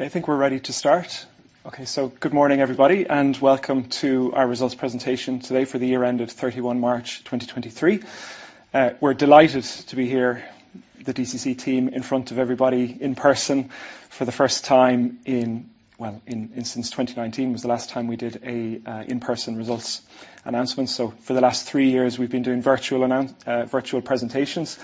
I think we're ready to start. Good morning, everybody, and welcome to our results presentation today for the year end of 31 March, 2023. We're delighted to be here, the DCC team, in front of everybody in person for the first time in, well, in since 2019 was the last time we did a in-person results announcement. For the last three years, we've been doing virtual presentations.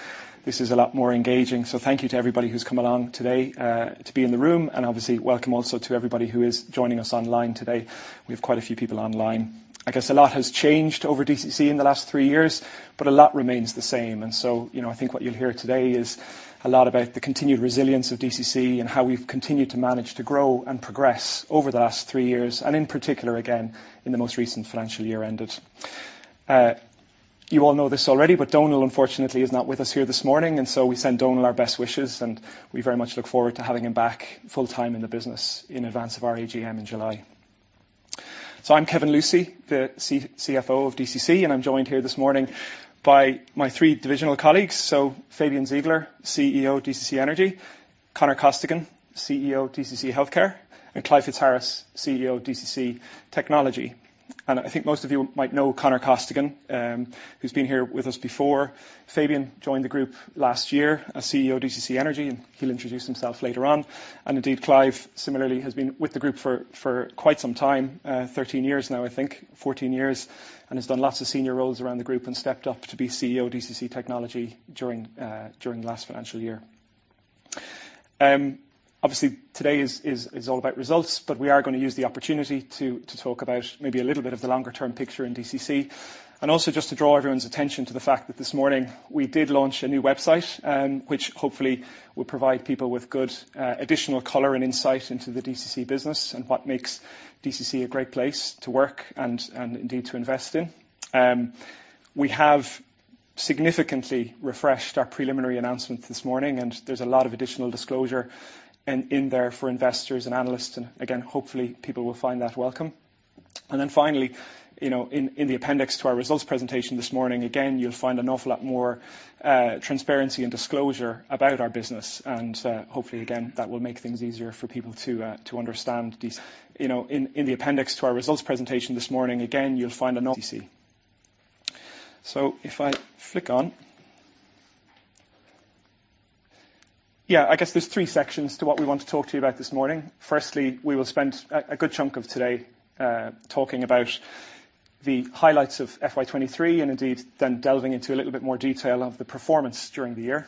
This is a lot more engaging. Thank you to everybody who's come along today to be in the room, and obviously welcome also to everybody who is joining us online today. We have quite a few people online. I guess a lot has changed over DCC in the last three years, but a lot remains the same. You know, I think what you'll hear today is a lot about the continued resilience of DCC and how we've continued to manage to grow and progress over the last three years, and in particular, again, in the most recent financial year ended. You all know this already, Donal unfortunately is not with us here this morning, and so we send Donal our best wishes, and we very much look forward to having him back full-time in the business in advance of our AGM in July. I'm Kevin Lucey, the CFO of DCC, and I'm joined here this morning by my three divisional colleagues. Fabian Ziegler, CEO DCC Energy. Conor Costigan, CEO DCC Healthcare, and Clive Fitzharris, CEO DCC Technology. I think most of you might know Conor Costigan, who's been here with us before. Fabian joined the group last year as CEO DCC Energy, he'll introduce himself later on. Indeed, Clive similarly has been with the group for quite some time, 13 years now, I think, 14 years, and has done lots of senior roles around the group and stepped up to be CEO DCC Technology during the last financial year. Obviously today is all about results, we are gonna use the opportunity to talk about maybe a little bit of the longer-term picture in DCC. Also just to draw everyone's attention to the fact that this morning we did launch a new website, which hopefully will provide people with good additional color and insight into the DCC business and what makes DCC a great place to work and indeed to invest in. We have significantly refreshed our preliminary announcement this morning, there's a lot of additional disclosure in there for investors and analysts, again, hopefully people will find that welcome. Finally, you know, in the appendix to our results presentation this morning, again, you'll find an awful lot more transparency and disclosure about our business, hopefully again, that will make things easier for people to understand. DCC. If I flick on. I guess there's three sections to what we want to talk to you about this morning. Firstly, we will spend a good chunk of today talking about the highlights of FY 2023 indeed then delving into a little bit more detail of the performance during the year.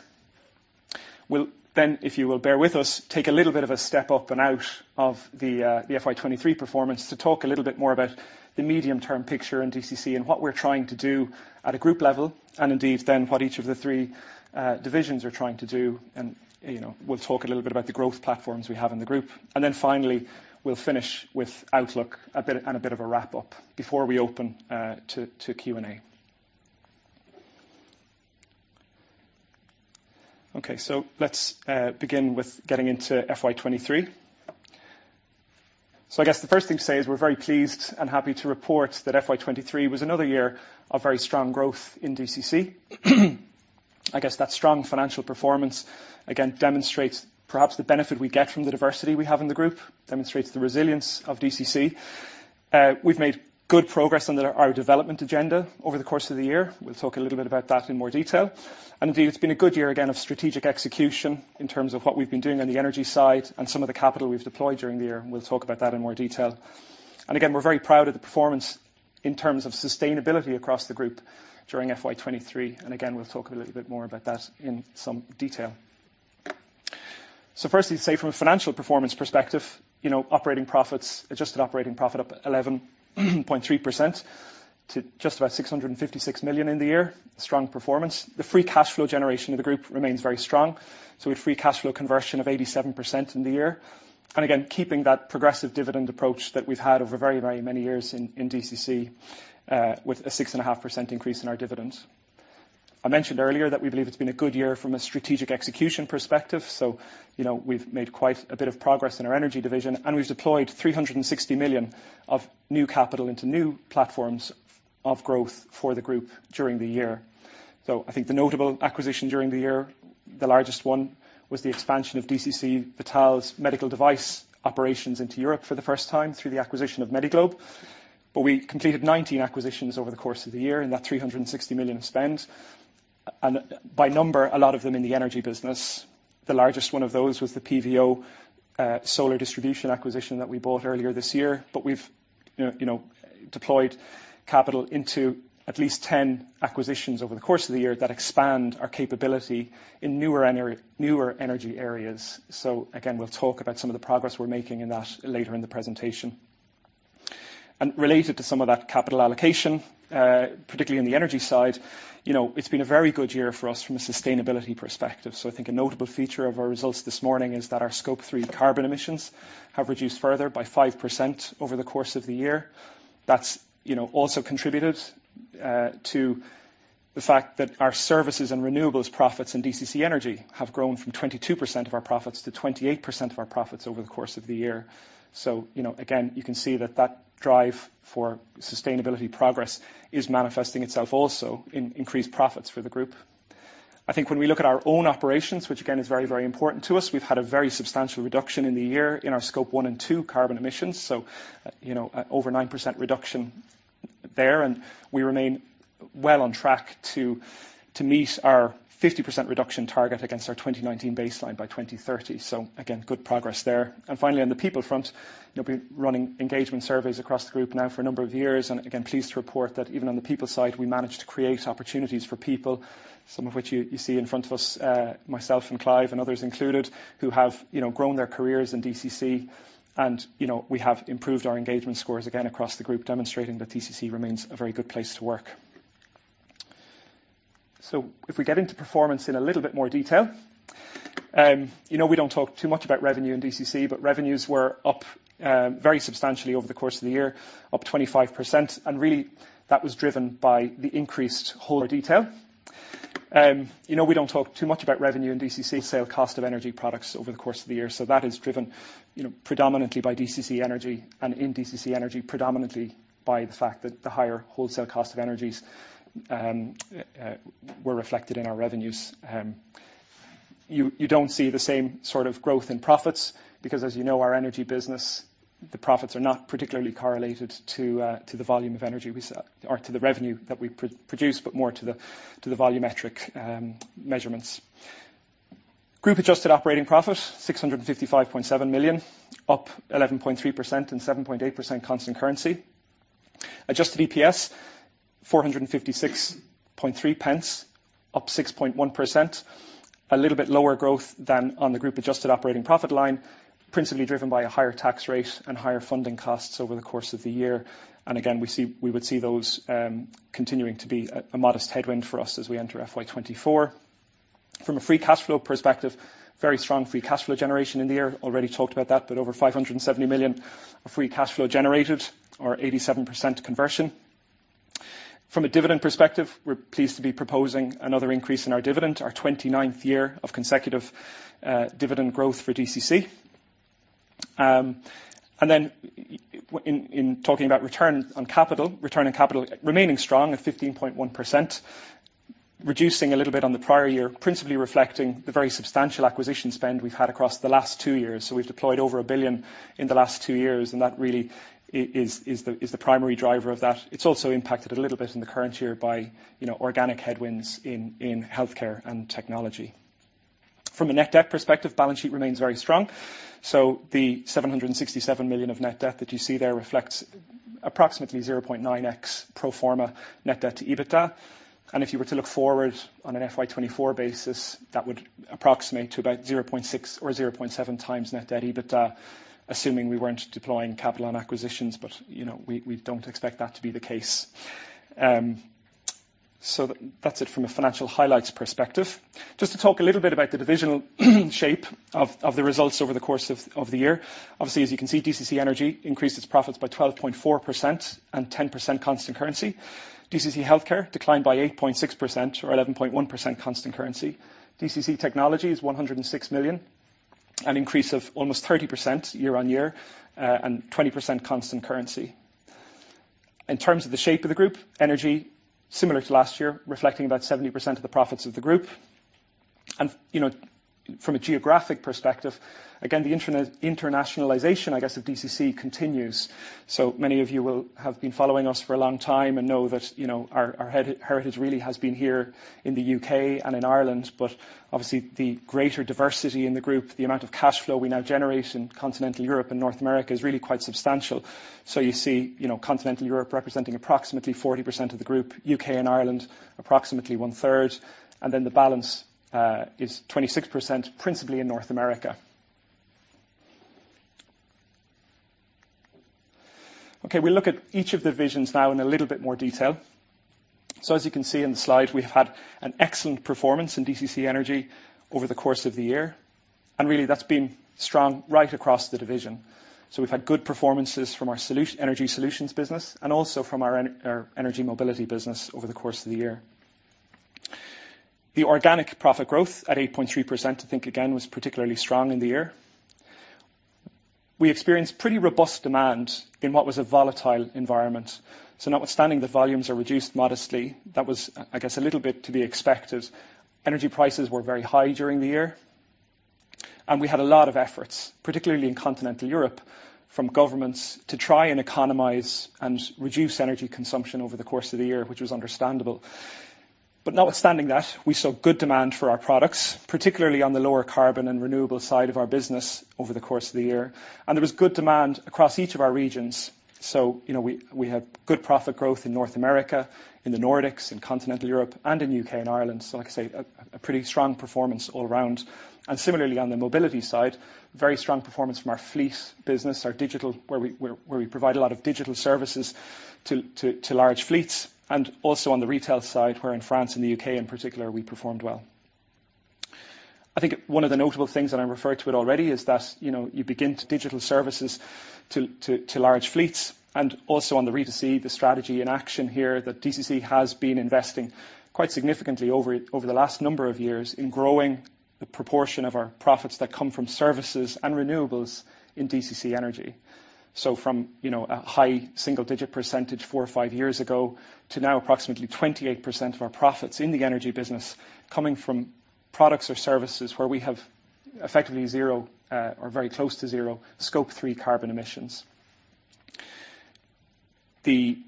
We'll then, if you will bear with us, take a little bit of a step up and out of the FY 2023 performance to talk a little bit more about the medium-term picture in DCC and what we're trying to do at a group level, and indeed then what each of the three divisions are trying to do. You know, we'll talk a little bit about the growth platforms we have in the group. Finally, we'll finish with outlook a bit, and a bit of a wrap-up before we open to Q&A. Let's begin with getting into FY 2023. I guess the first thing to say is we're very pleased and happy to report that FY 2023 was another year of very strong growth in DCC. I guess that strong financial performance again demonstrates perhaps the benefit we get from the diversity we have in the group, demonstrates the resilience of DCC. We've made good progress on our development agenda over the course of the year. We'll talk a little bit about that in more detail. Indeed, it's been a good year again of strategic execution in terms of what we've been doing on the Energy side and some of the capital we've deployed during the year, and we'll talk about that in more detail. Again, we're very proud of the performance in terms of sustainability across the group during FY 2023, and again, we'll talk a little bit more about that in some detail. Firstly to say from a financial performance perspective, you know, operating profits, adjusted operating profit up 11.3% to just about 656 million in the year. Strong performance. The free cash flow generation of the group remains very strong, so a free cash flow conversion of 87% in the year. Again, keeping that progressive dividend approach that we've had over very, very many years in DCC, with a 6.5% increase in our dividends. I mentioned earlier that we believe it's been a good year from a strategic execution perspective. You know, we've made quite a bit of progress in our Energy division, and we've deployed 360 million of new capital into new platforms of growth for the group during the year. I think the notable acquisition during the year, the largest one, was the expansion of DCC Vital's medical device operations into Europe for the first time through the acquisition of Medi-Globe. We completed 19 acquisitions over the course of the year, and that 360 million of spend. By number, a lot of them in the Energy business. The largest one of those was the PVO solar distribution acquisition that we bought earlier this year. We've, you know, deployed capital into at least 10 acquisitions over the course of the year that expand our capability in newer energy areas. Again, we'll talk about some of the progress we're making in that later in the presentation. Related to some of that capital allocation, you know, particularly on the energy side, it's been a very good year for us from a sustainability perspective. I think a notable feature of our results this morning is that our Scope 3 carbon emissions have reduced further by 5% over the course of the year. That's, you know, also contributed to the fact that our services and renewables profits in DCC Energy have grown from 22% of our profits to 28% of our profits over the course of the year. You know, again, you can see that that drive for sustainability progress is manifesting itself also in increased profits for the group. I think when we look at our own operations, which again is very, very important to us, we've had a very substantial reduction in the year in our Scope 1 and 2 carbon emissions. You know, over 9% reduction there, and we remain well on track to meet our 50% reduction target against our 2019 baseline by 2030. Again, good progress there. Finally, on the people front, you know, we've been running engagement surveys across the group now for a number of years. Again, pleased to report that even on the people side, we managed to create opportunities for people, some of which you see in front of us, myself and Clive and others included, who have, you know, grown their careers in DCC. You know, we have improved our engagement scores again across the group, demonstrating that DCC remains a very good place to work. If we get into performance in a little bit more detail, you know, we don't talk too much about revenue in DCC, but revenues were up very substantially over the course of the year, up 25%. Really that was driven by the increased whole detail. You know, we don't talk too much about revenue in DCC sale cost of energy products over the course of the year. That is driven, you know, predominantly by DCC Energy and in DCC Energy predominantly by the fact that the higher wholesale cost of energies were reflected in our revenues. You don't see the same sort of growth in profits because as you know, our energy business, the profits are not particularly correlated to the volume of energy we sell or to the revenue that we produce, but more to the volumetric measurements. group adjusted operating profit 655.7 million, up 11.3% and 7.8% constant currency. Adjusted EPS 4.563, up 6.1%. A little bit lower growth than on the group adjusted operating profit line, principally driven by a higher tax rate and higher funding costs over the course of the year. Again, we would see those continuing to be a modest headwind for us as we enter FY 2024. From a free cash flow perspective, very strong free cash flow generation in the year. Already talked about that, over 570 million of free cash flow generated or 87% conversion. From a dividend perspective, we're pleased to be proposing another increase in our dividend, our 29th year of consecutive dividend growth for DCC. In talking about return on capital, return on capital remaining strong at 15.1%, reducing a little bit on the prior year, principally reflecting the very substantial acquisition spend we've had across the last two years. We've deployed over 1 billion in the last two years, and that really is the primary driver of that. It's also impacted a little bit in the current year by, you know, organic headwinds in Healthcare and Technology. From a net debt perspective, balance sheet remains very strong. The 767 million of net debt that you see there reflects approximately 0.9x pro forma net debt to EBITDA. If you were to look forward on an FY 2024 basis, that would approximate to about 0.6 or 0.7x net debt EBITDA, assuming we weren't deploying capital on acquisitions, but, you know, we don't expect that to be the case. That's it from a financial highlights perspective. Just to talk a little bit about the divisional shape of the results over the course of the year. Obviously, as you can see, DCC Energy increased its profits by 12.4% and 10% constant currency. DCC Healthcare declined by 8.6% or 11.1% constant currency. DCC Technology is 106 million, an increase of almost 30% year-on-year, 20% constant currency. In terms of the shape of the group, energy, similar to last year, reflecting about 70% of the profits of the group. You know, from a geographic perspective, again, the internationalization, I guess, of DCC continues. Many of you will have been following us for a long time and know that, you know, our heritage really has been here in the UK and in Ireland. Obviously the greater diversity in the group, the amount of cash flow we now generate in Continental Europe and North America is really quite substantial. You see, you know, Continental Europe representing approximately 40% of the group, UK and Ireland, approximately 1/3. Then the balance is 26%, principally in North America. Okay, we look at each of the visions now in a little bit more detail. As you can see in the slide, we've had an excellent performance in DCC Energy over the course of the year. Really that's been strong right across the division. We've had good performances from our Energy Solutions business and also from our Energy Mobility business over the course of the year. The organic profit growth at 8.3%, I think again, was particularly strong in the year. We experienced pretty robust demand in what was a volatile environment. Notwithstanding the volumes are reduced modestly, that was, I guess, a little bit to be expected. Energy prices were very high during the year, and we had a lot of efforts, particularly in Continental Europe, from governments to try and economize and reduce energy consumption over the course of the year, which was understandable. Notwithstanding that, we saw good demand for our products, particularly on the lower carbon and renewable side of our business over the course of the year. There was good demand across each of our regions. You know, we had good profit growth in North America, in the Nordics, in Continental Europe, and in UK and Ireland. Like I say, a pretty strong performance all around. Similarly on the mobility side, very strong performance from our fleet business, our digital, where we provide a lot of digital services to large fleets, and also on the retail side, where in France and the UK in particular, we performed well. I think one of the notable things, and I referred to it already, is that, you know, the strategy in action here, that DCC has been investing quite significantly over the last number of years in growing the proportion of our profits that come from services and renewables in DCC Energy. From, you know, a high single-digit percentage four or five years ago to now approximately 28% of our profits in the Energy business coming from products or services where we have effectively zero, or very close to zero Scope 3 carbon emissions. The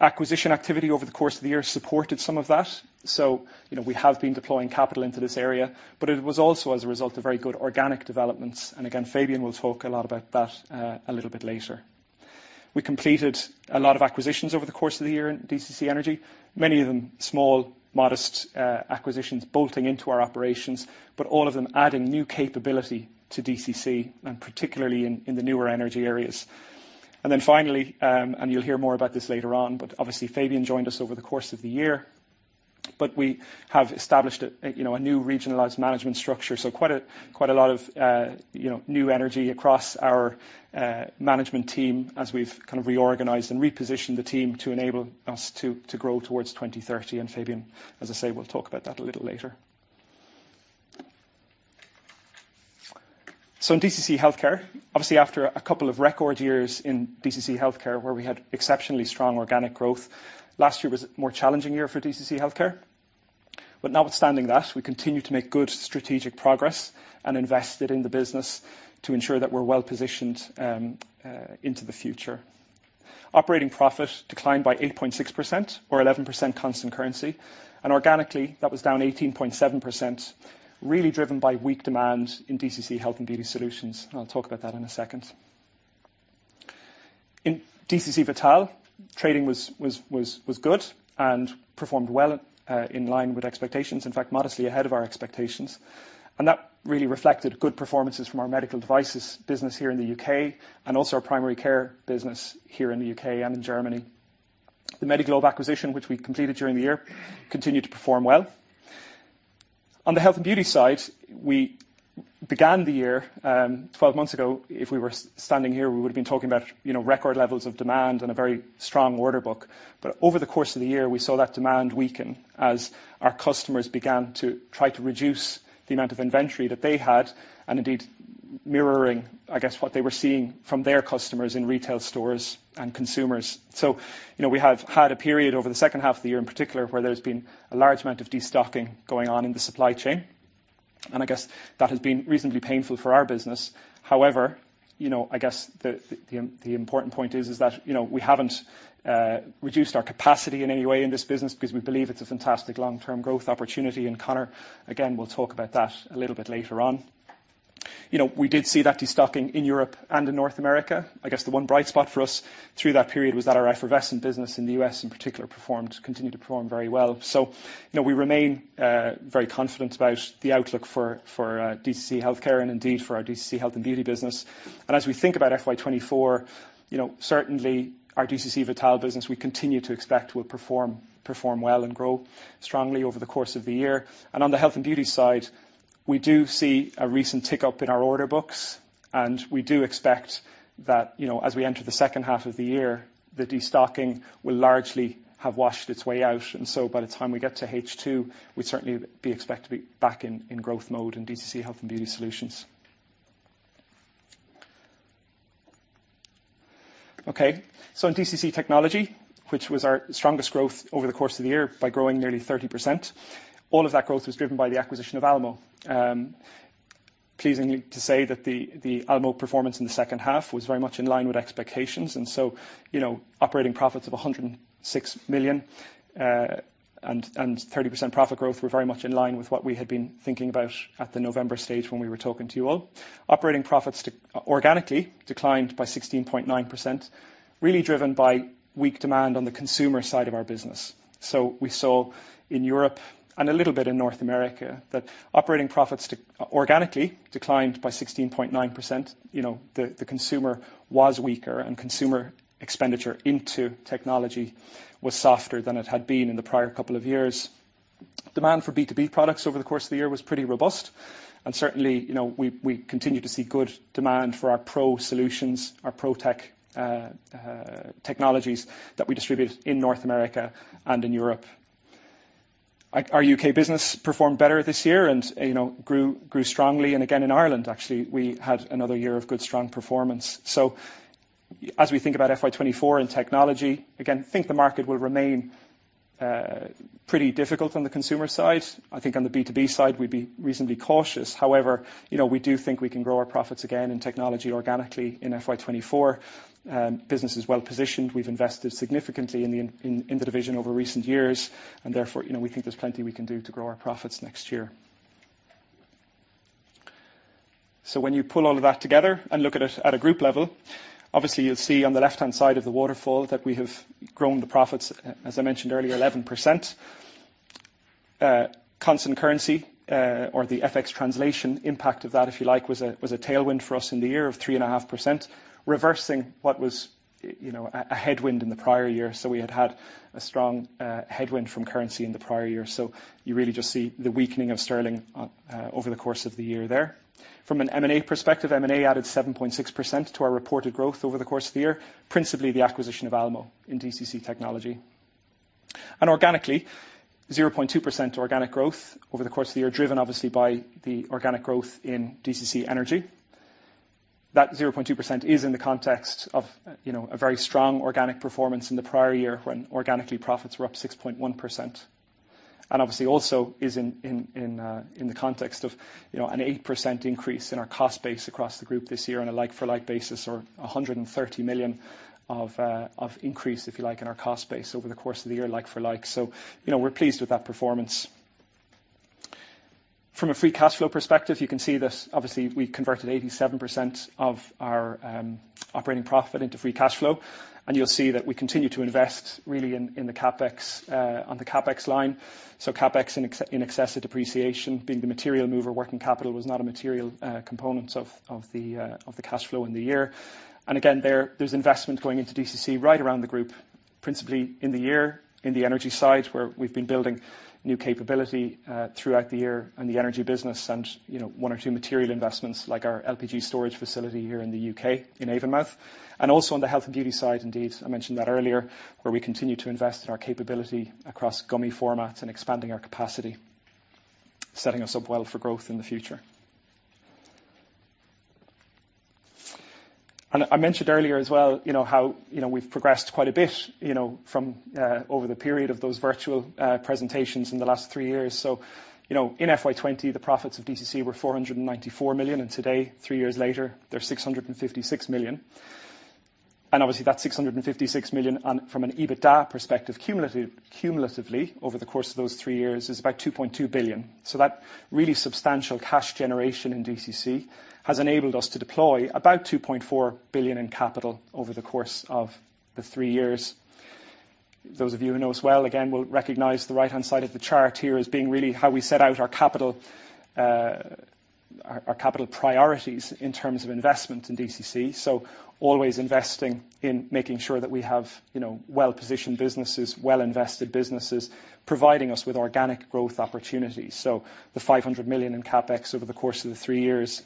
acquisition activity over the course of the year supported some of that. We have been deploying capital into this area, but it was also as a result of very good organic developments. Again, Fabian will talk a lot about that, a little bit later. We completed a lot of acquisitions over the course of the year in DCC Energy, many of them small, modest acquisitions bolting into our operations, but all of them adding new capability to DCC and particularly in the newer energy areas. Finally, and you'll hear more about this later on, but obviously Fabian joined us over the course of the year, but we have established a, you know, a new regionalized management structure. Quite a, quite a lot of, you know, new energy across our management team as we've kind of reorganized and repositioned the team to enable us to grow towards 2030. Fabian, as I say, will talk about that a little later. In DCC Healthcare, obviously after a couple of record years in DCC Healthcare, where we had exceptionally strong organic growth, last year was a more challenging year for DCC Healthcare. Notwithstanding that, we continued to make good strategic progress and invested in the business to ensure that we're well positioned into the future. Operating profit declined by 8.6% or 11% constant currency. Organically, that was down 18.7%, really driven by weak demand in DCC Health & Beauty Solutions. I'll talk about that in a second. In DCC Vital, trading was good and performed well, in line with expectations, in fact modestly ahead of our expectations. That really reflected good performances from our medical devices business here in the UK and also our primary care business here in the UK and in Germany. The Medi-Globe acquisition, which we completed during the year, continued to perform well. On the health and beauty side, we began the year, 12 months ago, if we were standing here, we would've been talking about, you know, record levels of demand and a very strong order book. Over the course of the year, we saw that demand weaken as our customers began to try to reduce the amount of inventory that they had, and indeed mirroring, I guess, what they were seeing from their customers in retail stores and consumers. You know, we have had a period over the second half of the year in particular, where there's been a large amount of destocking going on in the supply chain, and I guess that has been reasonably painful for our business. However, you know, I guess the important point is that, you know, we haven't reduced our capacity in any way in this business because we believe it's a fantastic long-term growth opportunity. Conor, again, will talk about that a little bit later on. You know, we did see that destocking in Europe and in North America. I guess the one bright spot for us through that period was that our effervescent business in the U.S. in particular continued to perform very well. You know, we remain very confident about the outlook for DCC Healthcare and indeed for our DCC Health and Beauty business. As we think about FY 2024, you know, certainly our DCC Vital business we continue to expect will perform well and grow strongly over the course of the year. On the Health and Beauty side, we do see a recent tick up in our order books, and we do expect that, you know, as we enter the second half of the year, the destocking will largely have washed its way out. By the time we get to H2, we'd certainly expect to be back in growth mode in DCC Health and Beauty Solutions. In DCC Technology, which was our strongest growth over the course of the year by growing nearly 30%, all of that growth was driven by the acquisition of Almo. Pleasingly to say that the Almo performance in the second half was very much in line with expectations. You know, operating profits of 106 million and 30% profit growth were very much in line with what we had been thinking about at the November stage when we were talking to you all. Operating profits organically declined by 16.9%, really driven by weak demand on the consumer side of our business. We saw in Europe and a little bit in North America that operating profits organically declined by 16.9%. You know, the consumer was weaker and consumer expenditure into technology was softer than it had been in the prior couple of years. Demand for B2B products over the course of the year was pretty robust. Certainly, you know, we continue to see good demand for our pro solutions, our ProTech technologies that we distribute in North America and in Europe. Our U.K. business performed better this year and, you know, grew strongly. Again, in Ireland, actually, we had another year of good strong performance. As we think about FY 2024 in technology, again, think the market will remain pretty difficult on the consumer side. I think on the B2B side, we'd be reasonably cautious. However, you know, we do think we can grow our profits again in technology organically in FY 2024. Business is well positioned. We've invested significantly in the division over recent years and therefore, you know, we think there's plenty we can do to grow our profits next year. When you pull all of that together and look at it at a group level, obviously you'll see on the left-hand side of the waterfall that we have grown the profits, as I mentioned earlier, 11%. Constant currency, or the FX translation impact of that, if you like, was a tailwind for us in the year of 3.5%, reversing what was, you know, a headwind in the prior year. We had a strong headwind from currency in the prior year. You really just see the weakening of sterling over the course of the year there. From an M&A perspective, M&A added 7.6% to our reported growth over the course of the year, principally the acquisition of Almo in DCC Technology. Organically, 0.2% organic growth over the course of the year, driven obviously by the organic growth in DCC Energy. That 0.2% is in the context of, you know, a very strong organic performance in the prior year when organically profits were up 6.1%. obviously also is in, in the context of, you know, an 8% increase in our cost base across the group this year on a like-for-like basis or 130 million of increase, if you like, in our cost base over the course of the year like for like. you know, we're pleased with that performance. From a free cash flow perspective, you can see that obviously we converted 87% of our operating profit into free cash flow, and you'll see that we continue to invest really in the CapEx on the CapEx line. CapEx in excess of depreciation being the material mover. Working capital was not a material component of the cash flow in the year. There's investment going into DCC right around the group, principally in the year in the energy side where we've been building new capability throughout the year in the energy business and, you know, one or two material investments like our LPG storage facility here in the UK in Avonmouth. On the health and beauty side, indeed, I mentioned that earlier, where we continue to invest in our capability across gummy formats and expanding our capacity, setting us up well for growth in the future. I mentioned earlier as well, you know, how, you know, we've progressed quite a bit, you know, from over the period of those virtual presentations in the last 3 years. In FY 2020 the profits of DCC were 494 million, and today, 3 years later, they're 656 million. Obviously that 656 million, and from an EBITDA perspective, cumulatively over the course of those three years is about 2.2 billion. That really substantial cash generation in DCC has enabled us to deploy about 2.4 billion in capital over the course of the three years. Those of you who know us well, again, will recognize the right-hand side of the chart here as being really how we set out our capital, our capital priorities in terms of investment in DCC. Always investing in making sure that we have, you know, well-positioned businesses, well-invested businesses, providing us with organic growth opportunities. The 500 million in CapEx over the course of the three years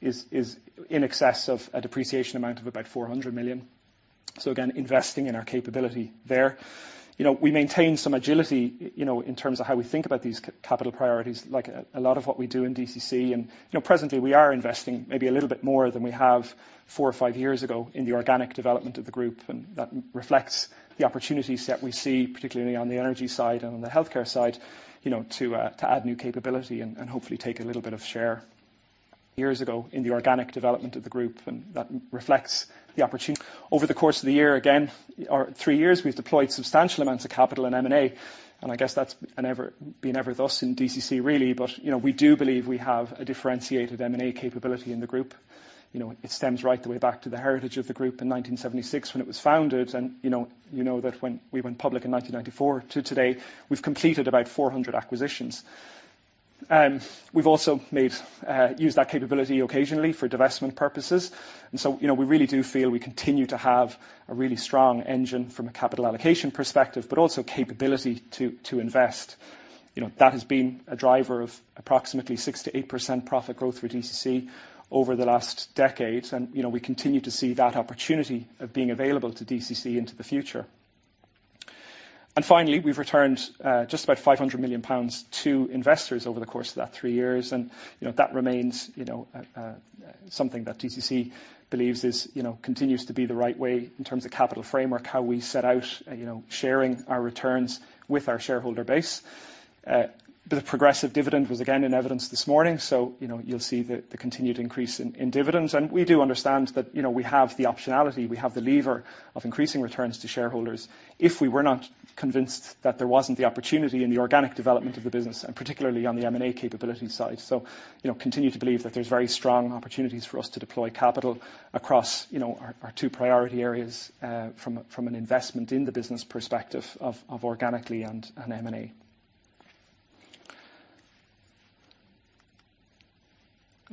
is in excess of a depreciation amount of about 400 million. Again, investing in our capability there. You know, we maintain some agility, you know, in terms of how we think about these capital priorities, like a lot of what we do in DCC. Presently we are investing maybe a little bit more than we have four or five years ago in the organic development of the group, and that reflects the opportunities that we see, particularly on the energy side and on the healthcare side, you know, to add new capability and hopefully take a little bit of share. Years ago in the organic development of the group, and that reflects the opportunity. Over the course of the year again, or three years, we've deployed substantial amounts of capital in M&A. I guess that's been ever thus in DCC really, but you know, we do believe we have a differentiated M&A capability in the group. You know, it stems right the way back to the heritage of the group in 1976 when it was founded you know that when we went public in 1994 to today, we've completed about 400 acquisitions. We've also made used that capability occasionally for divestment purposes. You know, we really do feel we continue to have a really strong engine from a capital allocation perspective, but also capability to invest. You know, that has been a driver of approximately 6%-8% profit growth for DCC over the last decade. You know, we continue to see that opportunity of being available to DCC into the future. Finally, we've returned, just about 500 million pounds to investors over the course of that three years, and, you know, that remains, you know, something that DCC believes is, you know, continues to be the right way in terms of capital framework, how we set out, you know, sharing our returns with our shareholder base. The progressive dividend was again in evidence this morning, so, you know, you'll see the continued increase in dividends. We do understand that, you know, we have the optionality, we have the lever of increasing returns to shareholders if we were not convinced that there wasn't the opportunity in the organic development of the business, and particularly on the M&A capability side. you know, continue to believe that there's very strong opportunities for us to deploy capital across, you know, our two priority areas, from an investment in the business perspective of organically and M&A.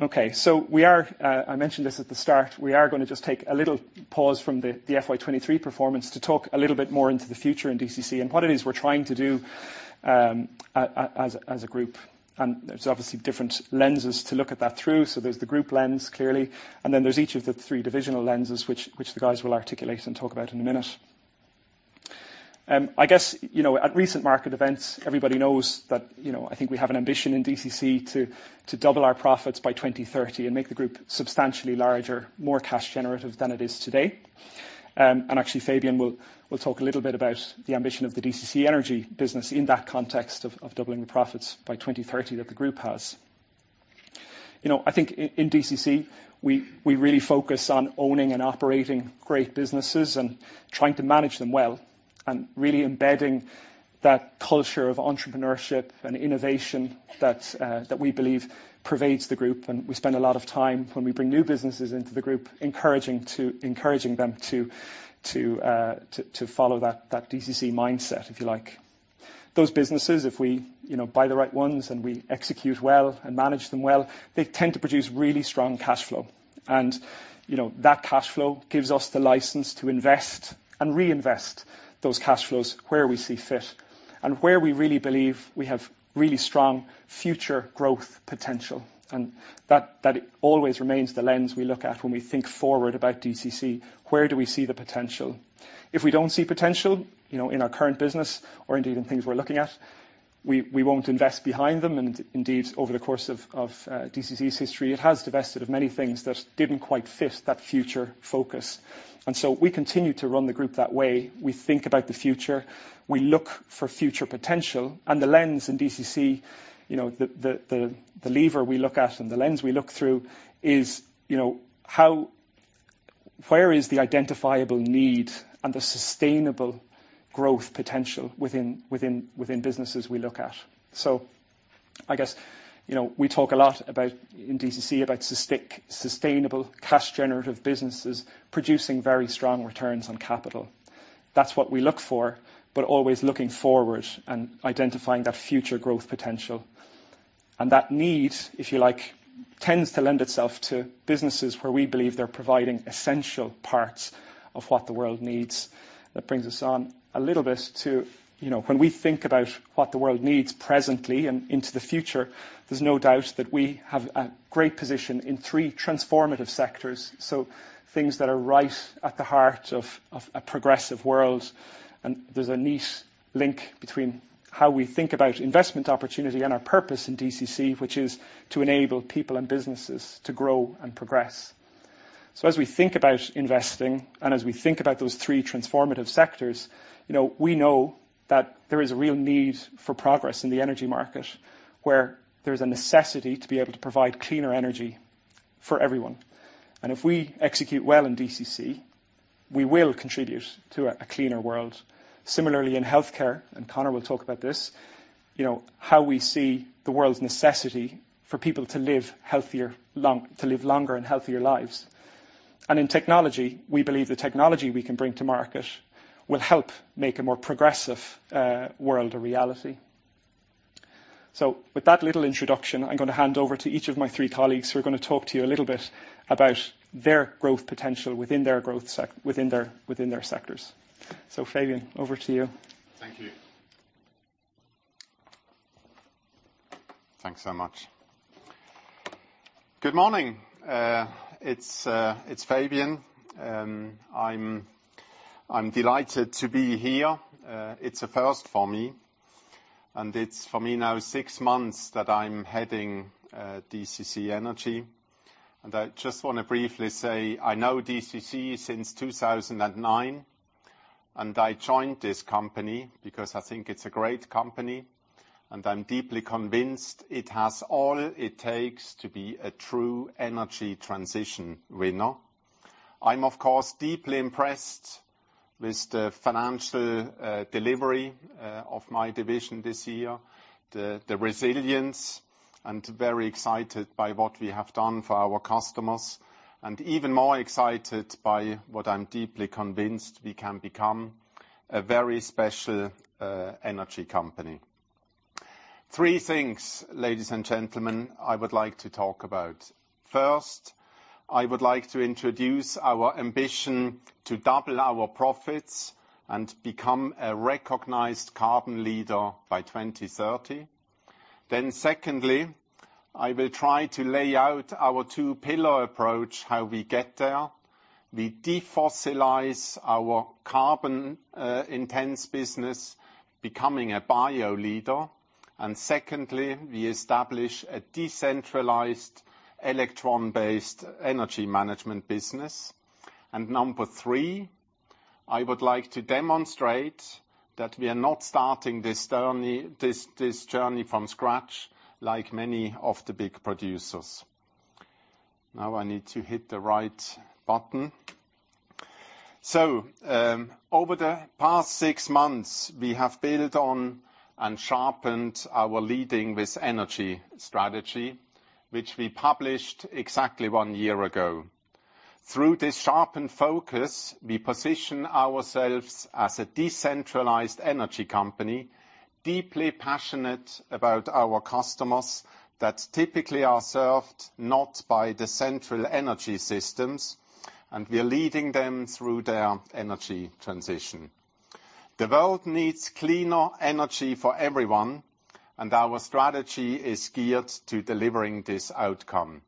Okay. We are, I mentioned this at the start, we are gonna just take a little pause from the FY 2023 performance to talk a little bit more into the future in DCC and what it is we're trying to do as a group. There's obviously different lenses to look at that through. There's the group lens, clearly, and then there's each of the three divisional lenses which the guys will articulate and talk about in a minute. I guess, you know, at recent market events, everybody knows that, you know, I think we have an ambition in DCC to double our profits by 2030 and make the group substantially larger, more cash generative than it is today. Actually, Fabian will talk a little bit about the ambition of the DCC Energy business in that context of doubling the profits by 2030 that the group has. You know, I think in DCC, we really focus on owning and operating great businesses and trying to manage them well, and really embedding that culture of entrepreneurship and innovation that we believe pervades the group. We spend a lot of time when we bring new businesses into the group, encouraging them to follow that DCC mindset, if you like. Those businesses, if we, you know, buy the right ones and we execute well and manage them well, they tend to produce really strong cash flow. You know, that cash flow gives us the license to invest and reinvest those cash flows where we see fit and where we really believe we have really strong future growth potential. That always remains the lens we look at when we think forward about DCC. Where do we see the potential? If we don't see potential, you know, in our current business or indeed in things we're looking at, we won't invest behind them, and indeed, over the course of DCC's history, it has divested of many things that didn't quite fit that future focus. We continue to run the group that way. We think about the future, we look for future potential and the lens in DCC, you know, the lever we look at and the lens we look through is, you know, where is the identifiable need and the sustainable growth potential within businesses we look at. I guess, you know, we talk a lot about in DCC about sustainable cash generative businesses producing very strong returns on capital. That's what we look for, but always looking forward and identifying that future growth potential. That need, if you like, tends to lend itself to businesses where we believe they're providing essential parts of what the world needs. That brings us on a little bit to, you know, when we think about what the world needs presently and into the future, there's no doubt that we have a great position in three transformative sectors. Things that are right at the heart of a progressive world. There's a neat link between how we think about investment opportunity and our purpose in DCC, which is to enable people and businesses to grow and progress. As we think about investing and as we think about those three transformative sectors, you know, we know that there is a real need for progress in the energy market, where there's a necessity to be able to provide cleaner energy for everyone. If we execute well in DCC, we will contribute to a cleaner world. Similarly, in healthcare, and Conor will talk about this, you know, how we see the world's necessity for people to live healthier, to live longer and healthier lives. In technology, we believe the technology we can bring to market will help make a more progressive world a reality. With that little introduction, I'm gonna hand over to each of my three colleagues who are gonna talk to you a little bit about their growth potential within their sectors. Fabian, over to you. Thank you. Thanks so much. Good morning. It's Fabian. I'm delighted to be here. It's a first for me, and it's for me now six months that I'm heading DCC Energy. I just wanna briefly say, I know DCC since 2009, and I joined this company because I think it's a great company, and I'm deeply convinced it has all it takes to be a true energy transition winner. I'm, of course, deeply impressed with the financial delivery of my division this year, the resilience, and very excited by what we have done for our customers, and even more excited by what I'm deeply convinced we can become a very special energy company. Three things, ladies and gentlemen, I would like to talk about. First, I would like to introduce our ambition to double our profits and become a recognized carbon leader by 2030. Secondly, I will try to lay out our 2-pillar approach, how we get there. We defossilize our carbon intense business becoming a bio leader. Secondly, we establish a decentralized electron-based energy management business. Number three, I would like to demonstrate that we are not starting this journey from scratch, like many of the big producers. Now I need to hit the right button. Over the past 6 months, we have built on and sharpened our Leading with Energy strategy, which we published exactly 1 year ago. Through this sharpened focus, we position ourselves as a decentralized energy company, deeply passionate about our customers that typically are served not by the central energy systems, and we are leading them through their energy transition. The world needs cleaner energy for everyone. Our strategy is geared to delivering this outcome.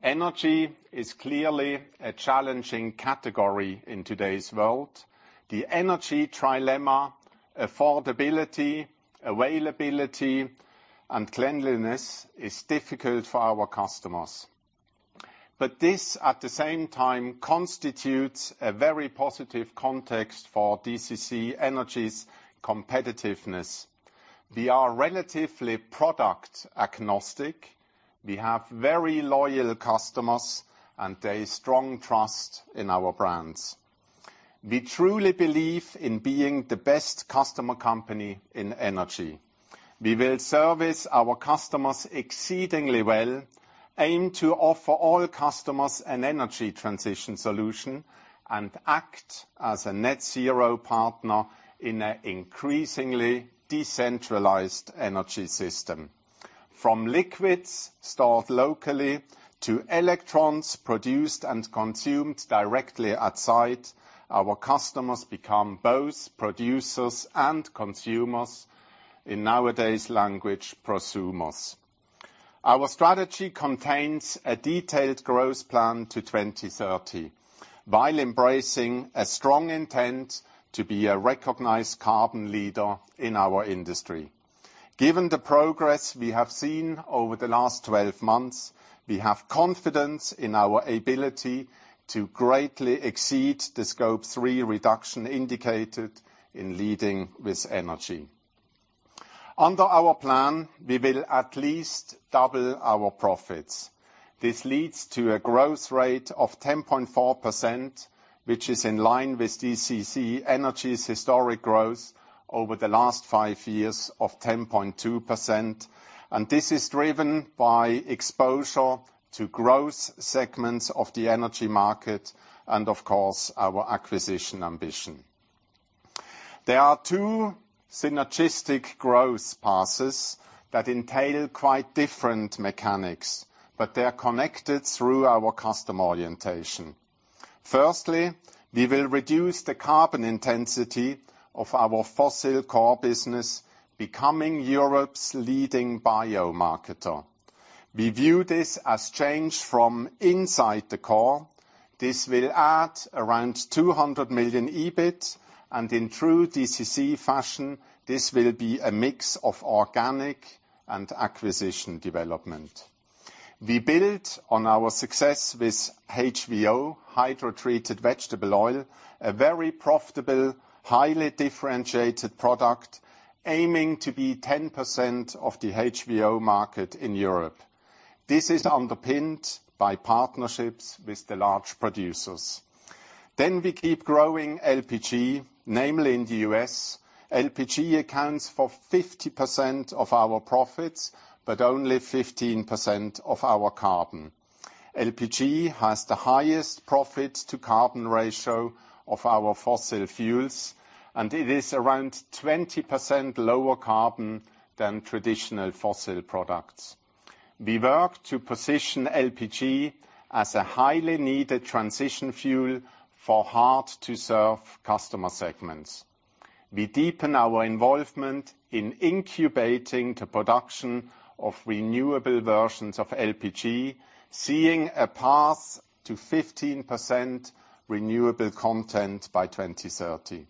Energy is clearly a challenging category in today's world. The energy trilemma: affordability, availability, and cleanliness is difficult for our customers. This, at the same time, constitutes a very positive context for DCC Energy's competitiveness. We are relatively product agnostic. We have very loyal customers. They strong trust in our brands. We truly believe in being the best customer company in energy. We will service our customers exceedingly well, aim to offer all customers an energy transition solution, and act as a net zero partner in a increasingly decentralized energy system. From liquids stored locally to electrons produced and consumed directly at site, our customers become both producers and consumers. In nowadays language, prosumers. Our strategy contains a detailed growth plan to 2030, while embracing a strong intent to be a recognized carbon leader in our industry. Given the progress we have seen over the last 12 months, we have confidence in our ability to greatly exceed the Scope 3 reduction indicated in Leading with Energy. Under our plan, we will at least double our profits. This leads to a growth rate of 10.4%, which is in line with DCC Energy's historic growth over the last five years of 10.2%. This is driven by exposure to growth segments of the energy market and of course, our acquisition ambition. There are two synergistic growth passes that entail quite different mechanics, but they're connected through our customer orientation. Firstly, we will reduce the carbon intensity of our fossil core business, becoming Europe's leading bio marketer. We view this as change from inside the core. This will add around 200 million EBIT, and in true DCC fashion, this will be a mix of organic and acquisition development. We build on our success with HVO, Hydrotreated Vegetable Oil, a very profitable, highly differentiated product, aiming to be 10% of the HVO market in Europe. This is underpinned by partnerships with the large producers. We keep growing LPG, namely in the U.S. LPG accounts for 50% of our profits, but only 15% of our carbon. LPG has the highest profit to carbon ratio of our fossil fuels, and it is around 20% lower carbon than traditional fossil products. We work to position LPG as a highly needed transition fuel for hard-to-serve customer segments. We deepen our involvement in incubating the production of renewable versions of LPG, seeing a path to 15% renewable content by 2030.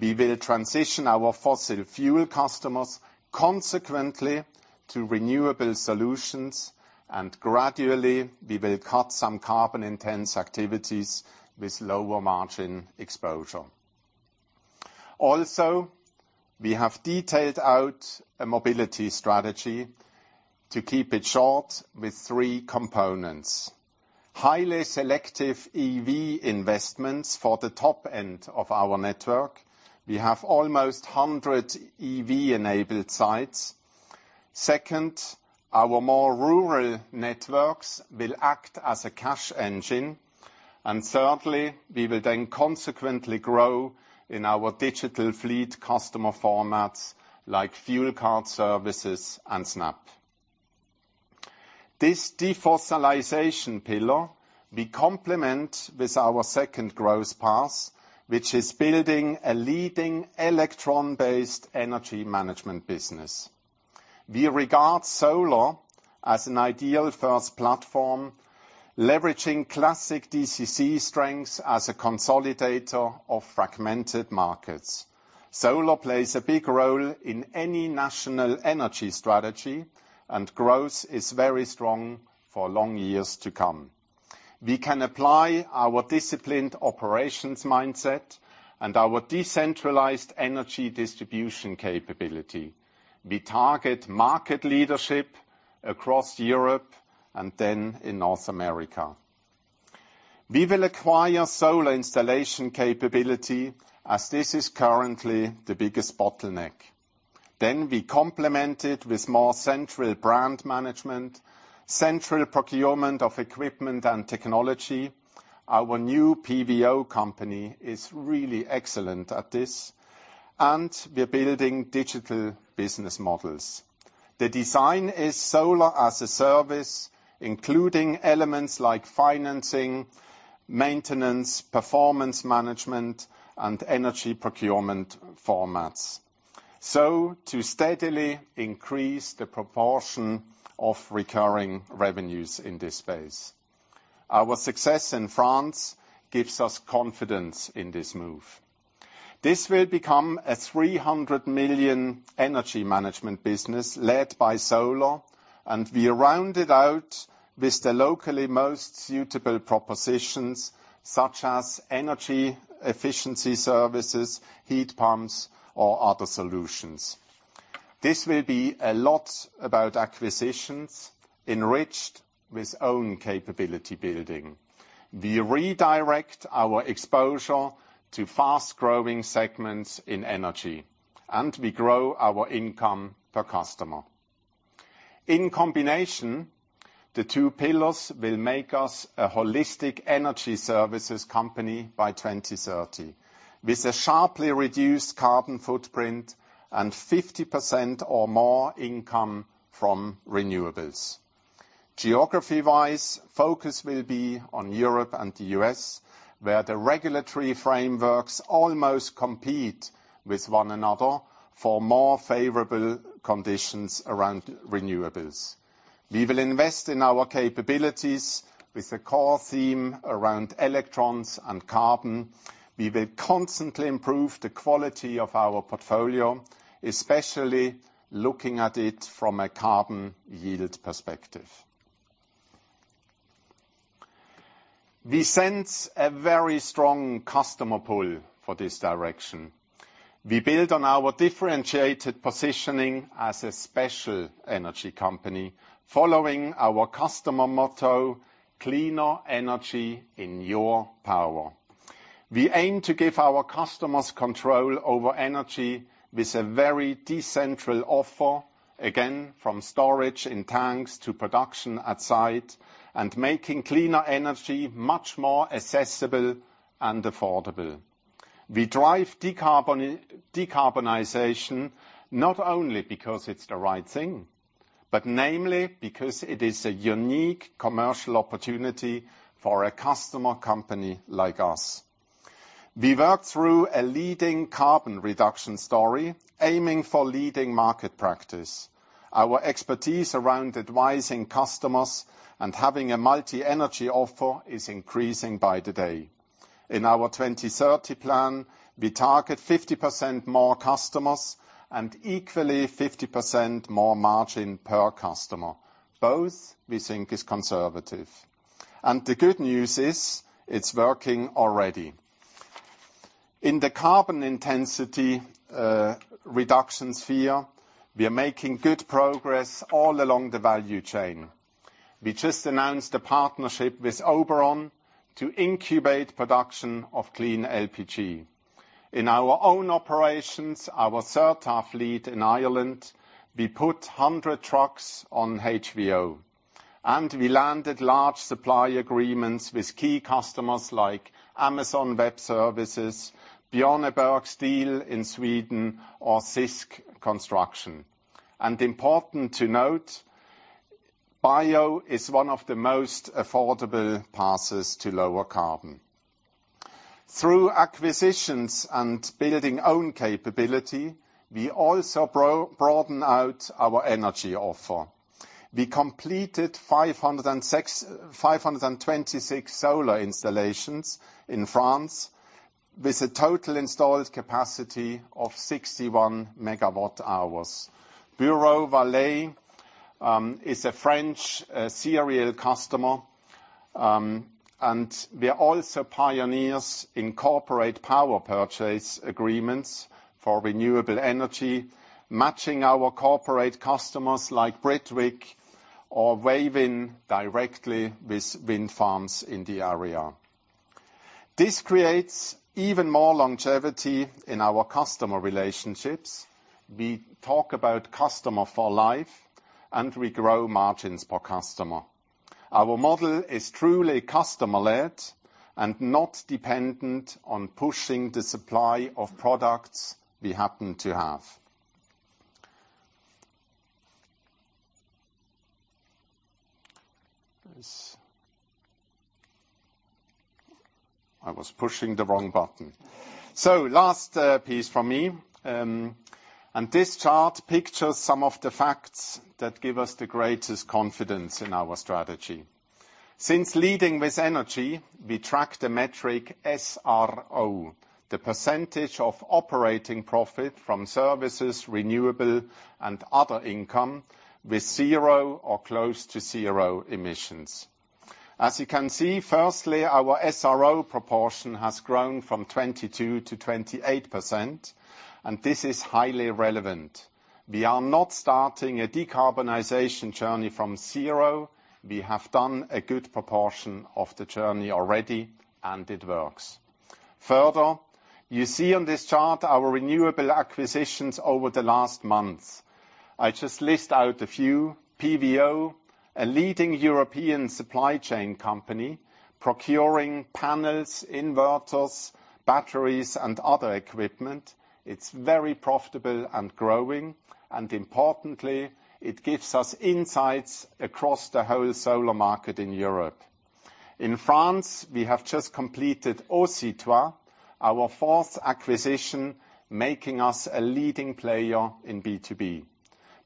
We will transition our fossil fuel customers consequently to renewable solutions, and gradually, we will cut some carbon-intense activities with lower margin exposure. We have detailed out a mobility strategy to keep it short with 3 components. Highly selective EV investments for the top end of our network. We have almost 100 EV-enabled sites. Second, our more rural networks will act as a cash engine. Thirdly, we will then consequently grow in our digital fleet customer formats like Fuel Card Services and SNAP. This defossilization pillar, we complement with our second growth path, which is building a leading electron-based energy management business. We regard solar as an ideal 1st platform, leveraging classic DCC strengths as a consolidator of fragmented markets. Solar plays a big role in any national energy strategy, and growth is very strong for long years to come. We can apply our disciplined operations mindset and our decentralized energy distribution capability. We target market leadership across Europe and then in North America. We will acquire solar installation capability as this is currently the biggest bottleneck. We complement it with more central brand management, central procurement of equipment and technology. Our new PVO company is really excellent at this, and we're building digital business models. The design is solar as a service, including elements like financing, maintenance, performance management, and energy procurement formats, so to steadily increase the proportion of recurring revenues in this space. Our success in France gives us confidence in this move. This will become a 300 million energy management business led by solar, and we round it out with the locally most suitable propositions, such as energy efficiency services, heat pumps, or other solutions. This will be a lot about acquisitions enriched with own capability building. We redirect our exposure to fast-growing segments in energy, and we grow our income per customer. In combination, the two pillars will make us a holistic energy services company by 2030, with a sharply reduced carbon footprint and 50% or more income from renewables. Geography-wise, focus will be on Europe and the US, where the regulatory frameworks almost compete with one another for more favorable conditions around renewables. We will invest in our capabilities with a core theme around electrons and carbon. We will constantly improve the quality of our portfolio, especially looking at it from a carbon yield perspective. We sense a very strong customer pull for this direction. We build on our differentiated positioning as a special energy company, following our customer motto, Cleaner Energy in Your Power. We aim to give our customers control over energy with a very decentral offer, again, from storage in tanks to production at site, and making cleaner energy much more accessible and affordable. We drive decarbonization not only because it's the right thing, but namely because it is a unique commercial opportunity for a customer company like us. We work through a leading carbon reduction story, aiming for leading market practice. Our expertise around advising customers and having a multi-energy offer is increasing by the day. In our 2030 plan, we target 50% more customers and equally 50% more margin per customer. Both we think is conservative. The good news is, it's working already. In the carbon intensity reduction sphere, we are making good progress all along the value chain. We just announced a partnership with Oberon to incubate production of clean LPG. In our own operations, our Certa fleet in Ireland, we put 100 trucks on HVO. We landed large supply agreements with key customers like Amazon Web Services, Björneborg Steel in Sweden, or Sisk Construction. Important to note, bio is one of the most affordable passes to lower carbon. Through acquisitions and building own capability, we also broaden out our energy offer. We completed 526 solar installations in France with a total installed capacity of 61 MWh. Bureau Vallée is a French serial customer, and we are also pioneers in Corporate Power Purchase Agreements for renewable energy, matching our corporate customers like Britvic or Wavin directly with wind farms in the area. This creates even more longevity in our customer relationships. We talk about customer for life, and we grow margins per customer. Our model is truly customer-led and not dependent on pushing the supply of products we happen to have. Yes. I was pushing the wrong button. Last piece from me. This chart pictures some of the facts that give us the greatest confidence in our strategy. Since Leading with Energy, we track the metric SRO, the % of operating profit from services, renewable, and other income with zero or close to zero emissions. As you can see, firstly, our SRO proportion has grown from 22% to 28%, this is highly relevant. We are not starting a decarbonization journey from zero. We have done a good proportion of the journey already, it works. Further, you see on this chart our renewable acquisitions over the last months. I just list out a few. PVO, a leading European supply chain company procuring panels, inverters, batteries, and other equipment. It's very profitable and growing. Importantly, it gives us insights across the whole solar market in Europe. In France, we have just completed Aussietôt, our fourth acquisition, making us a leading player in B2B,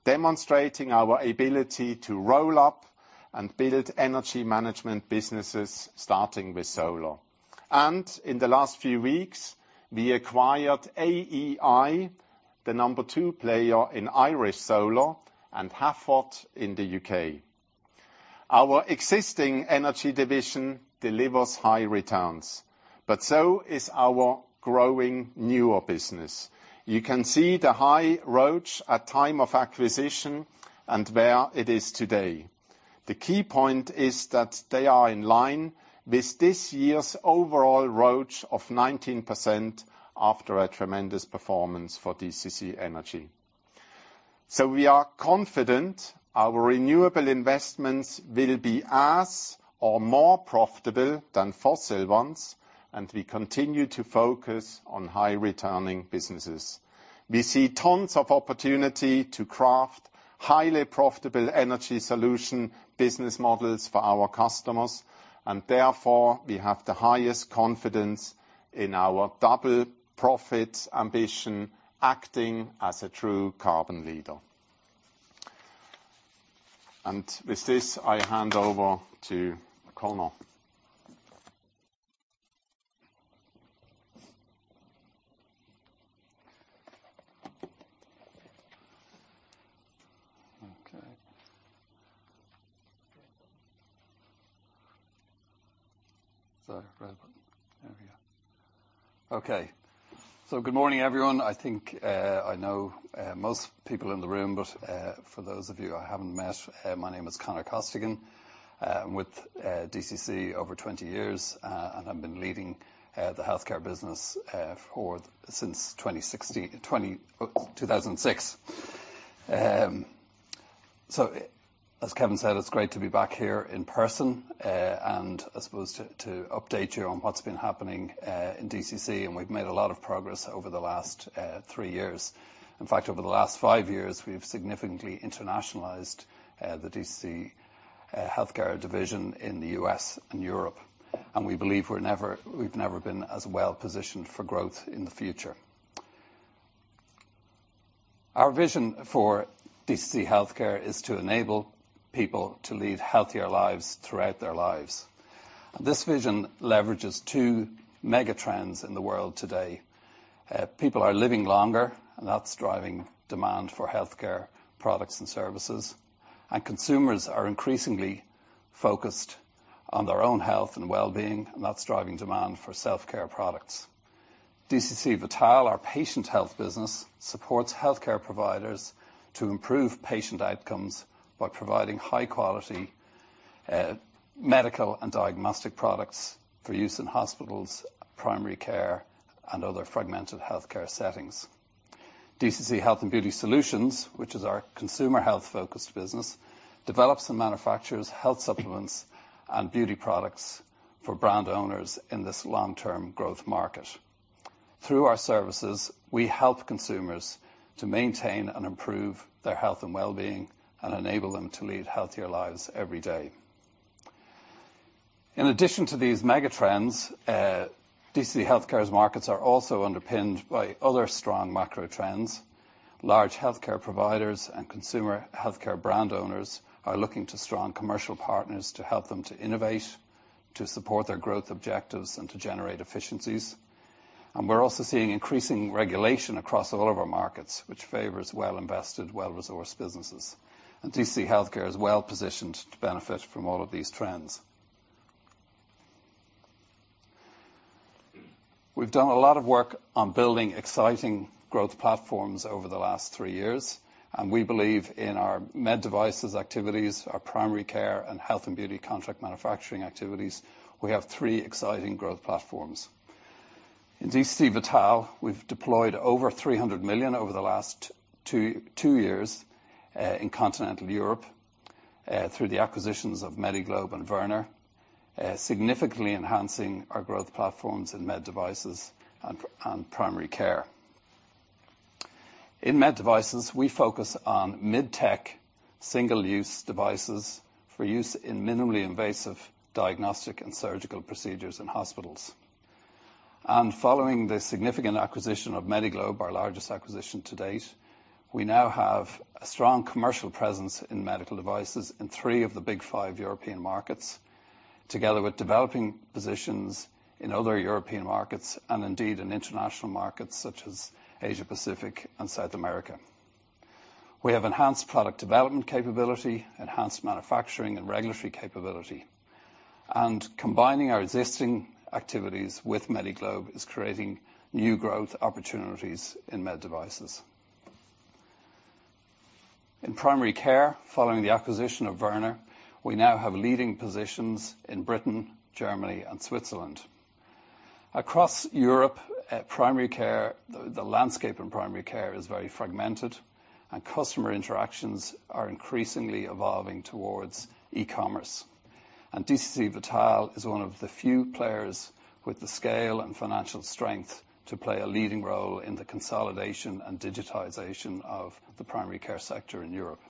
demonstrating our ability to roll up and build energy management businesses starting with solar. In the last few weeks, we acquired AEI, the number 2 player in Irish Solar, and Hafod in the U.K. Our existing energy division delivers high returns, but so is our growing newer business. You can see the high ROCE at time of acquisition and where it is today. The key point is that they are in line with this year's overall ROCE of 19% after a tremendous performance for DCC Energy. We are confident our renewable investments will be as or more profitable than fossil ones, and we continue to focus on high-returning businesses. We see tons of opportunity to craft highly profitable energy solution business models for our customers. Therefore, we have the highest confidence in our double profit ambition, acting as a true carbon leader. With this, I hand over to Conor. Okay. Sorry, where... There we go. Okay. Good morning, everyone. I think, I know most people in the room, but for those of you I haven't met, my name is Conor Costigan, with DCC over 20 years, and I've been leading the healthcare business since 2006. As Kevin said, it's great to be back here in person, and I suppose to update you on what's been happening in DCC. We've made a lot of progress over the last 3 years. In fact, over the last 5 years, we've significantly internationalized the DCC Healthcare division in the US and Europe. We believe we've never been as well positioned for growth in the future. Our vision for DCC Healthcare is to enable people to lead healthier lives throughout their lives. This vision leverages two mega trends in the world today. People are living longer, and that's driving demand for healthcare products and services. Consumers are increasingly focused on their own health and well-being, and that's driving demand for self-care products. DCC Vital, our patient health business, supports healthcare providers to improve patient outcomes by providing high quality, medical and diagnostic products for use in hospitals, primary care, and other fragmented healthcare settings. DCC Health & Beauty Solutions, which is our consumer health-focused business, develops and manufactures health supplements and beauty products for brand owners in this long-term growth market. Through our services, we help consumers to maintain and improve their health and well-being and enable them to lead healthier lives every day. In addition to these mega trends, DCC Healthcare's markets are also underpinned by other strong macro trends. Large healthcare providers and consumer healthcare brand owners are looking to strong commercial partners to help them to innovate, to support their growth objectives and to generate efficiencies. We're also seeing increasing regulation across all of our markets, which favors well-invested, well-resourced businesses. DCC Healthcare is well-positioned to benefit from all of these trends. We've done a lot of work on building exciting growth platforms over the last three years, and we believe in our med devices activities, our primary care and health and beauty contract manufacturing activities, we have three exciting growth platforms. In DCC Vital, we've deployed over 300 million over the last two years in continental Europe through the acquisitions of Medi-Globe and Wörner, significantly enhancing our growth platforms in med devices and primary care. In med devices, we focus on mid-tech, single-use devices for use in minimally invasive diagnostic and surgical procedures in hospitals. Following the significant acquisition of Medi-Globe, our largest acquisition to date, we now have a strong commercial presence in medical devices in three of the big five European markets, together with developing positions in other European markets, and indeed in international markets such as Asia-Pacific and South America. We have enhanced product development capability, enhanced manufacturing and regulatory capability. Combining our existing activities with Medi-Globe is creating new growth opportunities in med devices. In primary care, following the acquisition of Wörner, we now have leading positions in Britain, Germany, and Switzerland. Across Europe, primary care, the landscape in primary care is very fragmented, and customer interactions are increasingly evolving towards e-commerce. DCC Vital is one of the few players with the scale and financial strength to play a leading role in the consolidation and digitization of the primary care sector in Europe.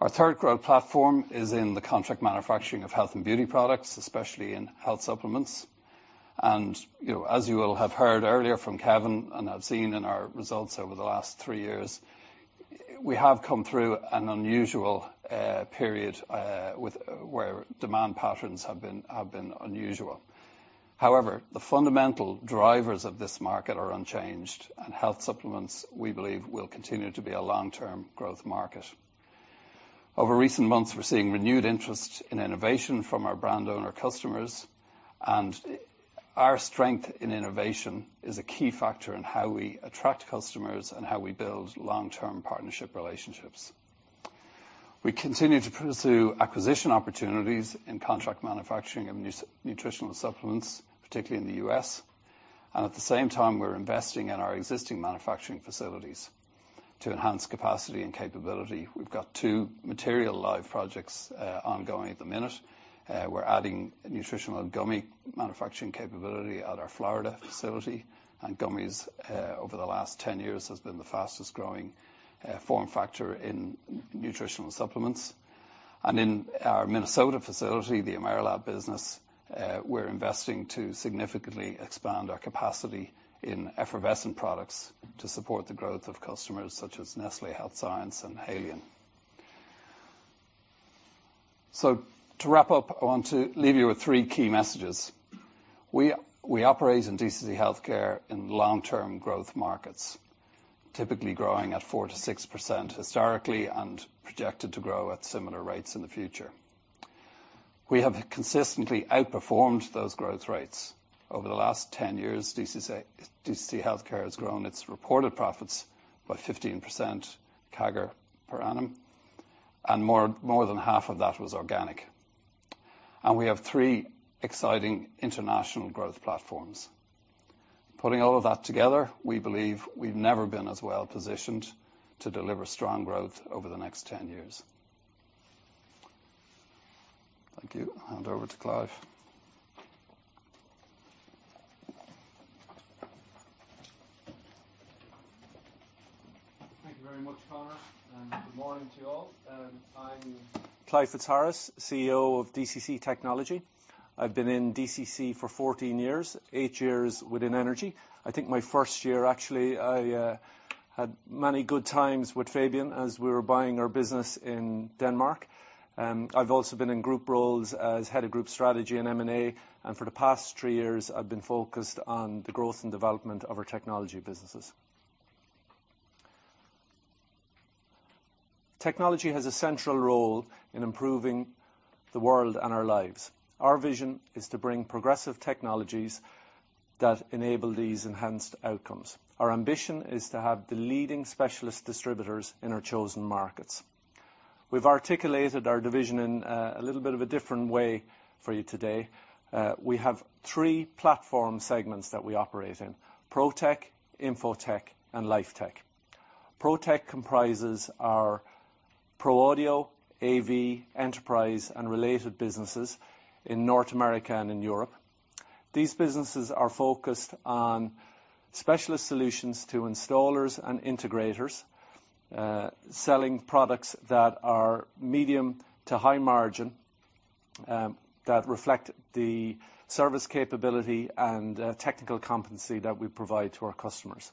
Our third growth platform is in the contract manufacturing of health and beauty products, especially in health supplements. You know, as you will have heard earlier from Kevin, and have seen in our results over the last three years, we have come through an unusual period where demand patterns have been unusual. However, the fundamental drivers of this market are unchanged, and health supplements, we believe, will continue to be a long-term growth market. Over recent months, we're seeing renewed interest in innovation from our brand owner customers, and our strength in innovation is a key factor in how we attract customers and how we build long-term partnership relationships. We continue to pursue acquisition opportunities in contract manufacturing of nutritional supplements, particularly in the U.S. At the same time, we're investing in our existing manufacturing facilities to enhance capacity and capability. We've got two material live projects ongoing at the minute. We're adding nutritional gummy manufacturing capability at our Florida facility. Gummies, over the last 10 years has been the fastest growing form factor in nutritional supplements. In our Minnesota facility, the Amerilab business, we're investing to significantly expand our capacity in effervescent products to support the growth of customers such as Nestlé Health Science and Haleon. To wrap up, I want to leave you with 3 key messages. We operate in DCC Healthcare in long-term growth markets, typically growing at 4%-6% historically and projected to grow at similar rates in the future. We have consistently outperformed those growth rates. Over the last 10 years, DCC Healthcare has grown its reported profits by 15% CAGR per annum, and more than half of that was organic. We have 3 exciting international growth platforms. Putting all of that together, we believe we've never been as well positioned to deliver strong growth over the next 10 years. Thank you. Hand over to Clive. Thank you very much, Conor, and good morning to you all. I'm Clive Fitzharris, CEO of DCC Technology. I've been in DCC for 14 years, 8 years within energy. I think my first year, actually, I had many good times with Fabian as we were buying our business in Denmark. I've also been in group roles as head of group strategy in M&A, and for the past 3 years, I've been focused on the growth and development of our Technology businesses. Technology has a central role in improving the world and our lives. Our vision is to bring progressive technologies that enable these enhanced outcomes. Our ambition is to have the leading specialist distributors in our chosen markets. We've articulated our division in a little bit of a different way for you today. We have three platform segments that we operate in: ProTech, InfoTech, and LifeTech. ProTech comprises our pro audio, AV, enterprise, and related businesses in North America and in Europe. These businesses are focused on specialist solutions to installers and integrators, selling products that are medium to high margin, that reflect the service capability and technical competency that we provide to our customers.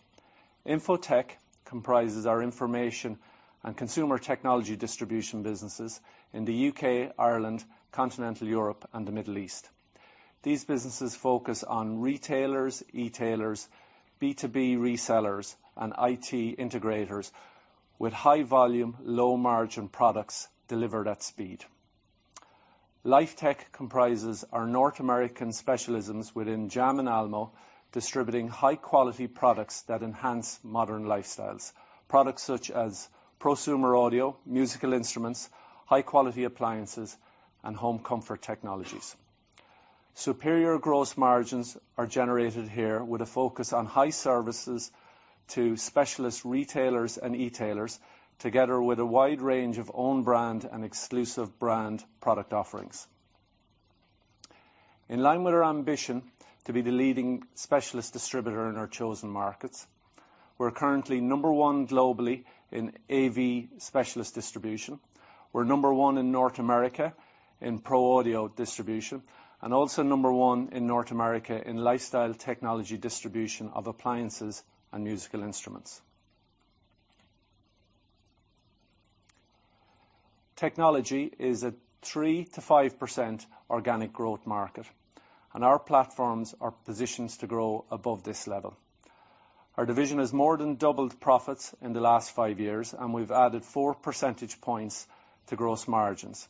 InfoTech comprises our information and consumer technology distribution businesses in the UK, Ireland, Continental Europe, and the Middle East. These businesses focus on retailers, e-tailers, B2B resellers, and IT integrators with high volume, low margin products delivered at speed. LifeTech comprises our North American specialties within Jam and Almo, distributing high-quality products that enhance modern lifestyles, products such as prosumer audio, musical instruments, high-quality appliances, and home comfort technologies. Superior gross margins are generated here with a focus on high services to specialist retailers and e-tailers, together with a wide range of own brand and exclusive brand product offerings. In line with our ambition to be the leading specialist distributor in our chosen markets, we're currently number one globally in AV specialist distribution. We're number one in North America in pro audio distribution and also number one in North America in lifestyle technology distribution of appliances and musical instruments. Technology is a 3%-5% organic growth market, and our platforms are positioned to grow above this level. Our division has more than doubled profits in the last five years, and we've added four percentage points to gross margins.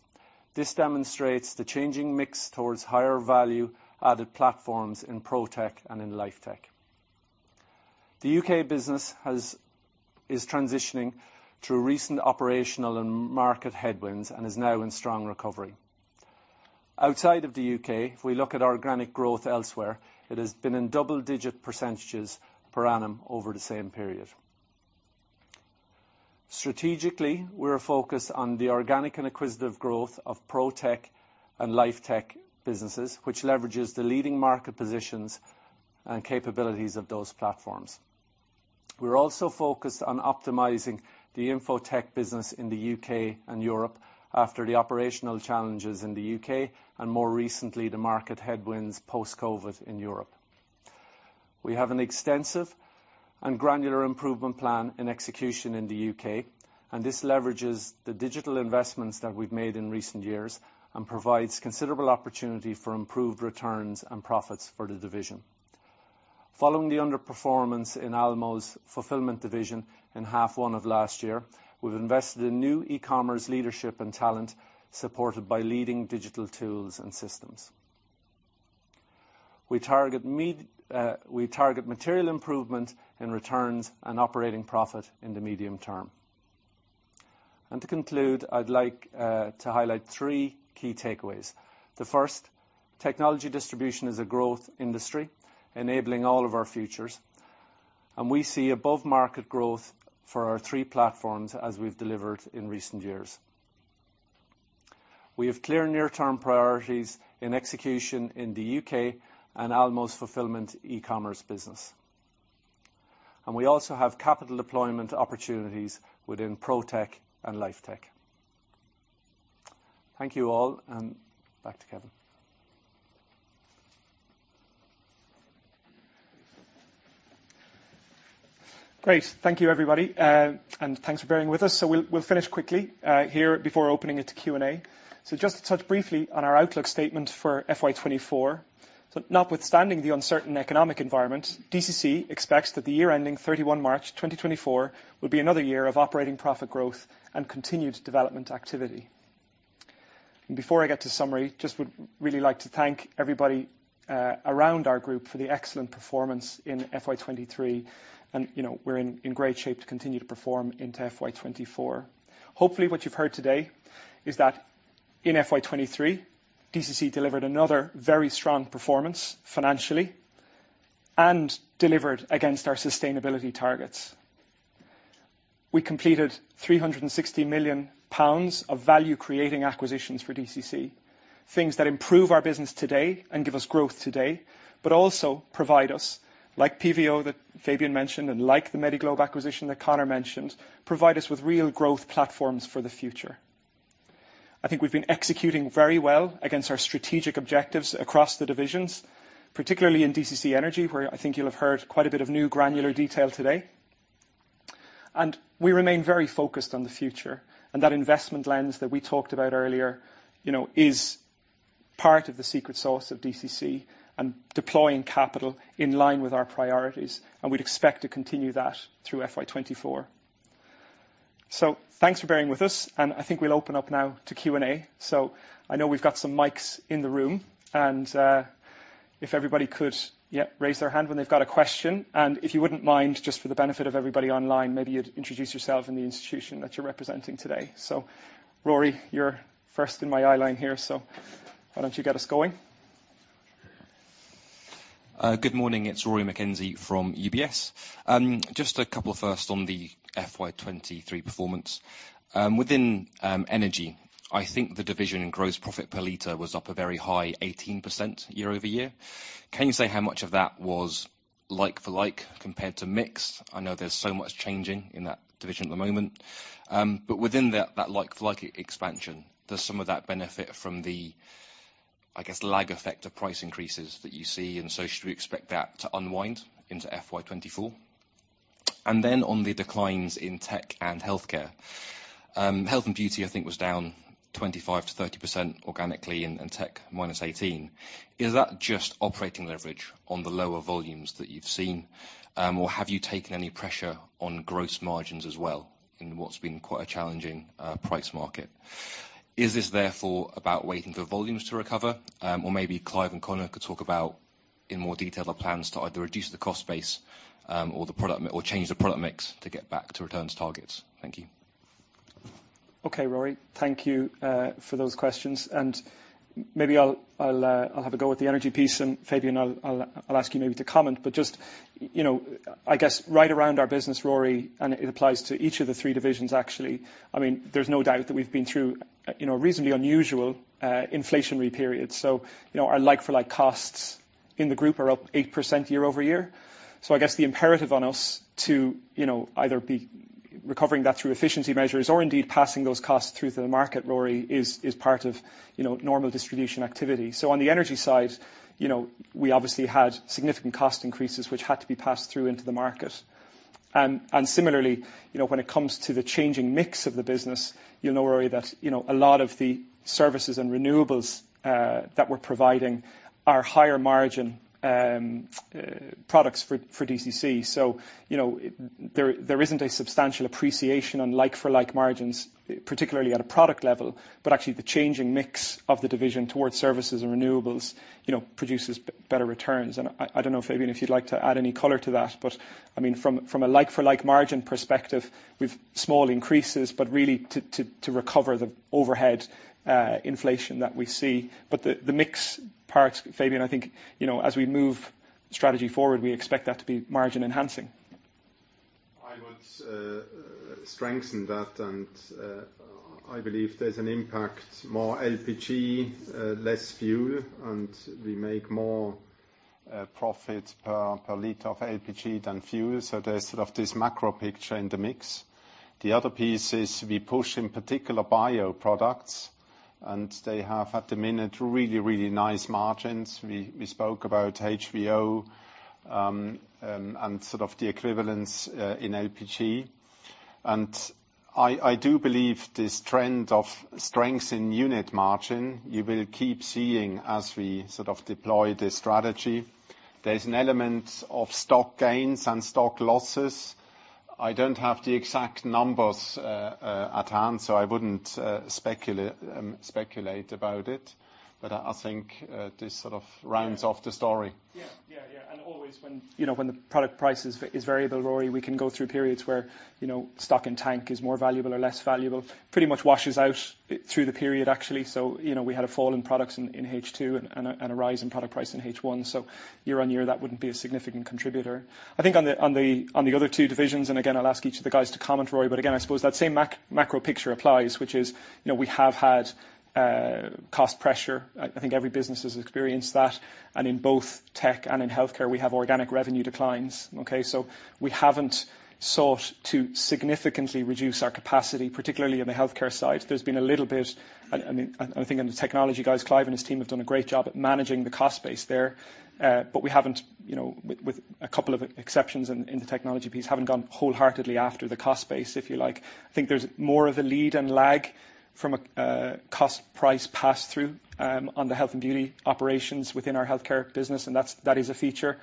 This demonstrates the changing mix towards higher value-added platforms in ProTech and in LifeTech. The U.K. business is transitioning through recent operational and market headwinds and is now in strong recovery. Outside of the U.K., if we look at organic growth elsewhere, it has been in double-digit percent per annum over the same period. Strategically, we're focused on the organic and acquisitive growth of ProTech and LifeTech businesses, which leverages the leading market positions and capabilities of those platforms. We're also focused on optimizing the InfoTech business in the U.K. and Europe after the operational challenges in the U.K. and more recently, the market headwinds post-COVID in Europe. We have an extensive and granular improvement plan in execution in the U.K. This leverages the digital investments that we've made in recent years and provides considerable opportunity for improved returns and profits for the division. Following the underperformance in Almo's fulfillment division in half one of last year, we've invested in new e-commerce leadership and talent supported by leading digital tools and systems. We target material improvement in returns and operating profit in the medium term. To conclude, I'd like to highlight three key takeaways. The first, technology distribution is a growth industry enabling all of our futures, and we see above market growth for our three platforms as we've delivered in recent years. We have clear near-term priorities in execution in the U.K. and Almo's fulfillment e-commerce business. We also have capital deployment opportunities within ProTech and LifeTech. Thank you all, and back to Kevin. Great. Thank you everybody. And thanks for bearing with us. We'll finish quickly here before opening it to Q&A. Just to touch briefly on our outlook statement for FY 2024. Notwithstanding the uncertain economic environment, DCC expects that the year ending 31 March 2024 will be another year of operating profit growth and continued development activity. Before I get to summary, just would really like to thank everybody around our group for the excellent performance in FY 2023. You know, we're in great shape to continue to perform into FY 2024. Hopefully, what you've heard today is that in FY 2023, DCC delivered another very strong performance financially and delivered against our sustainability targets. We completed 360 million pounds of value creating acquisitions for DCC. Things that improve our business today and give us growth today, but also provide us, like PVO that Fabian mentioned, and like the Medi-Globe acquisition that Conor mentioned, provide us with real growth platforms for the future. I think we've been executing very well against our strategic objectives across the divisions, particularly in DCC Energy, where I think you'll have heard quite a bit of new granular detail today. We remain very focused on the future, and that investment lens that we talked about earlier, you know, is part of the secret sauce of DCC and deploying capital in line with our priorities, and we'd expect to continue that through FY 2024. Thanks for bearing with us, and I think we'll open up now to Q&A. I know we've got some mics in the room and, if everybody could, yeah, raise their hand when they've got a question. If you wouldn't mind, just for the benefit of everybody online, maybe you'd introduce yourself and the institution that you're representing today. Rory, you're first in my eye line here, so why don't you get us going? Good morning. It's Rory McKenzie from UBS. Just a couple first on the FY 2023 performance. Within Energy, I think the division in gross profit per liter was up a very high 18% year-over-year. Can you say how much of that was like for like compared to mix? I know there's so much changing in that division at the moment. Within that like for like expansion, does some of that benefit from the, I guess, lag effect of price increases that you see, should we expect that to unwind into FY 2024? On the declines in tech and healthcare, health and beauty, I think, was down 25%-30% organically, and tech minus 18%. Is that just operating leverage on the lower volumes that you've seen, or have you taken any pressure on gross margins as well in what's been quite a challenging, price market? Is this therefore about waiting for volumes to recover? Maybe Clive and Conor could talk about in more detail the plans to either reduce the cost base, or change the product mix to get back to returns targets. Thank you. Okay, Rory. Thank you for those questions. Maybe I'll have a go at the energy piece and Fabian, I'll ask you maybe to comment. Just, you know, I guess right around our business, Rory, and it applies to each of the three divisions, actually. I mean, there's no doubt that we've been through, you know, reasonably unusual inflationary periods. Our like for like costs in the group are up 8% year-over-year. I guess the imperative on us to, you know, either be recovering that through efficiency measures or indeed passing those costs through to the market, Rory, is part of, you know, normal distribution activity. On the energy side, you know, we obviously had significant cost increases, which had to be passed through into the market. Similarly, you know, when it comes to the changing mix of the business, you'll know, Rory, that, you know, a lot of the services and renewables that we're providing are higher margin products for DCC. You know, there isn't a substantial appreciation on like for like margins, particularly at a product level. Actually the changing mix of the division towards services and renewables, you know, produces better returns. I don't know, Fabian, if you'd like to add any color to that. I mean, from a like for like margin perspective, with small increases, but really to recover the overhead inflation that we see. The mix parts, Fabian, I think, you know, as we move strategy forward, we expect that to be margin enhancing. I would strengthen that, I believe there's an impact, more LPG, less fuel, and we make more profit per liter of LPG than fuel. There's sort of this macro picture in the mix. The other piece is we push in particular bioproducts, and they have at the minute really, really nice margins. We spoke about HVO, and sort of the equivalence in LPG. I do believe this trend of strength in unit margin, you will keep seeing as we sort of deploy this strategy. There's an element of stock gains and stock losses. I don't have the exact numbers at hand, so I wouldn't speculate about it. I think this sort of rounds off the story. Yeah. Yeah. Yeah. Always when, you know, when the product price is variable, Rory, we can go through periods where, you know, stock in tank is more valuable or less valuable. Pretty much washes out through the period, actually. You know, we had a fall in products in H2 and a rise in product price in H1. Year-on-year, that wouldn't be a significant contributor. I think on the other two divisions, again, I'll ask each of the guys to comment, Rory, but again, I suppose that same macro picture applies, which is, you know, we have had cost pressure. I think every business has experienced that. And in both tech and in healthcare, we have organic revenue declines, okay? We haven't sought to significantly reduce our capacity, particularly on the healthcare side. There's been a little bit. I mean, I think on the Technology guys, Clive and his team have done a great job at managing the cost base there. We haven't, you know, with a couple of exceptions in the Technology piece, haven't gone wholeheartedly after the cost base, if you like. I think there's more of a lead and lag from a cost price pass-through on the Health and Beauty operations within our Healthcare business. That is a feature.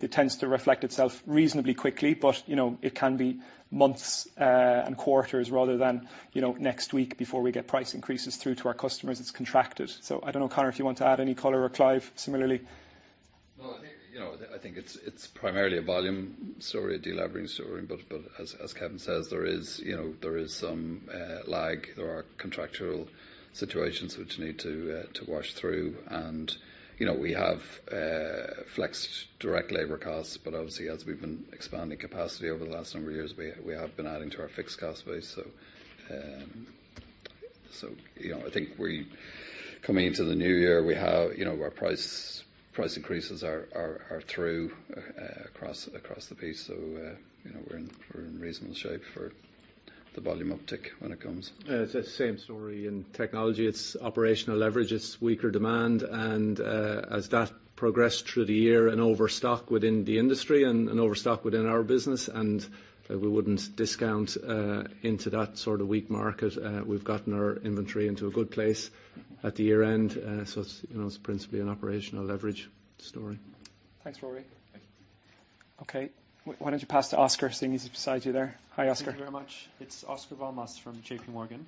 It tends to reflect itself reasonably quickly. You know, it can be months and quarters rather than, you know, next week before we get price increases through to our customers. It's contracted. I don't know, Conor, if you want to add any color or Clive similarly. I think, you know, I think it's primarily a volume story, a delevering story. As Kevin says, there is, you know, there is some lag. There are contractual situations which need to wash through. You know, we have flexed direct labor costs, but obviously, as we've been expanding capacity over the last number of years, we have been adding to our fixed cost base. You know, I think we coming into the new year, we have, you know, our price increases are through across the piece, so, you know, we're in reasonable shape for the volume uptick when it comes. Yeah. It's that same story in Technology. It's operational leverage. It's weaker demand. As that progressed through the year and overstock within the industry and overstock within our business, and we wouldn't discount, into that sort of weak market. We've gotten our inventory into a good place at the year-end. It's, you know, it's principally an operational leverage story. Thanks, Rory. Thank you. Okay. Why don't you pass to Oscar, seeing he's beside you there. Hi, Oscar. Thank you very much. It's Oscar Val Mas from JPMorgan.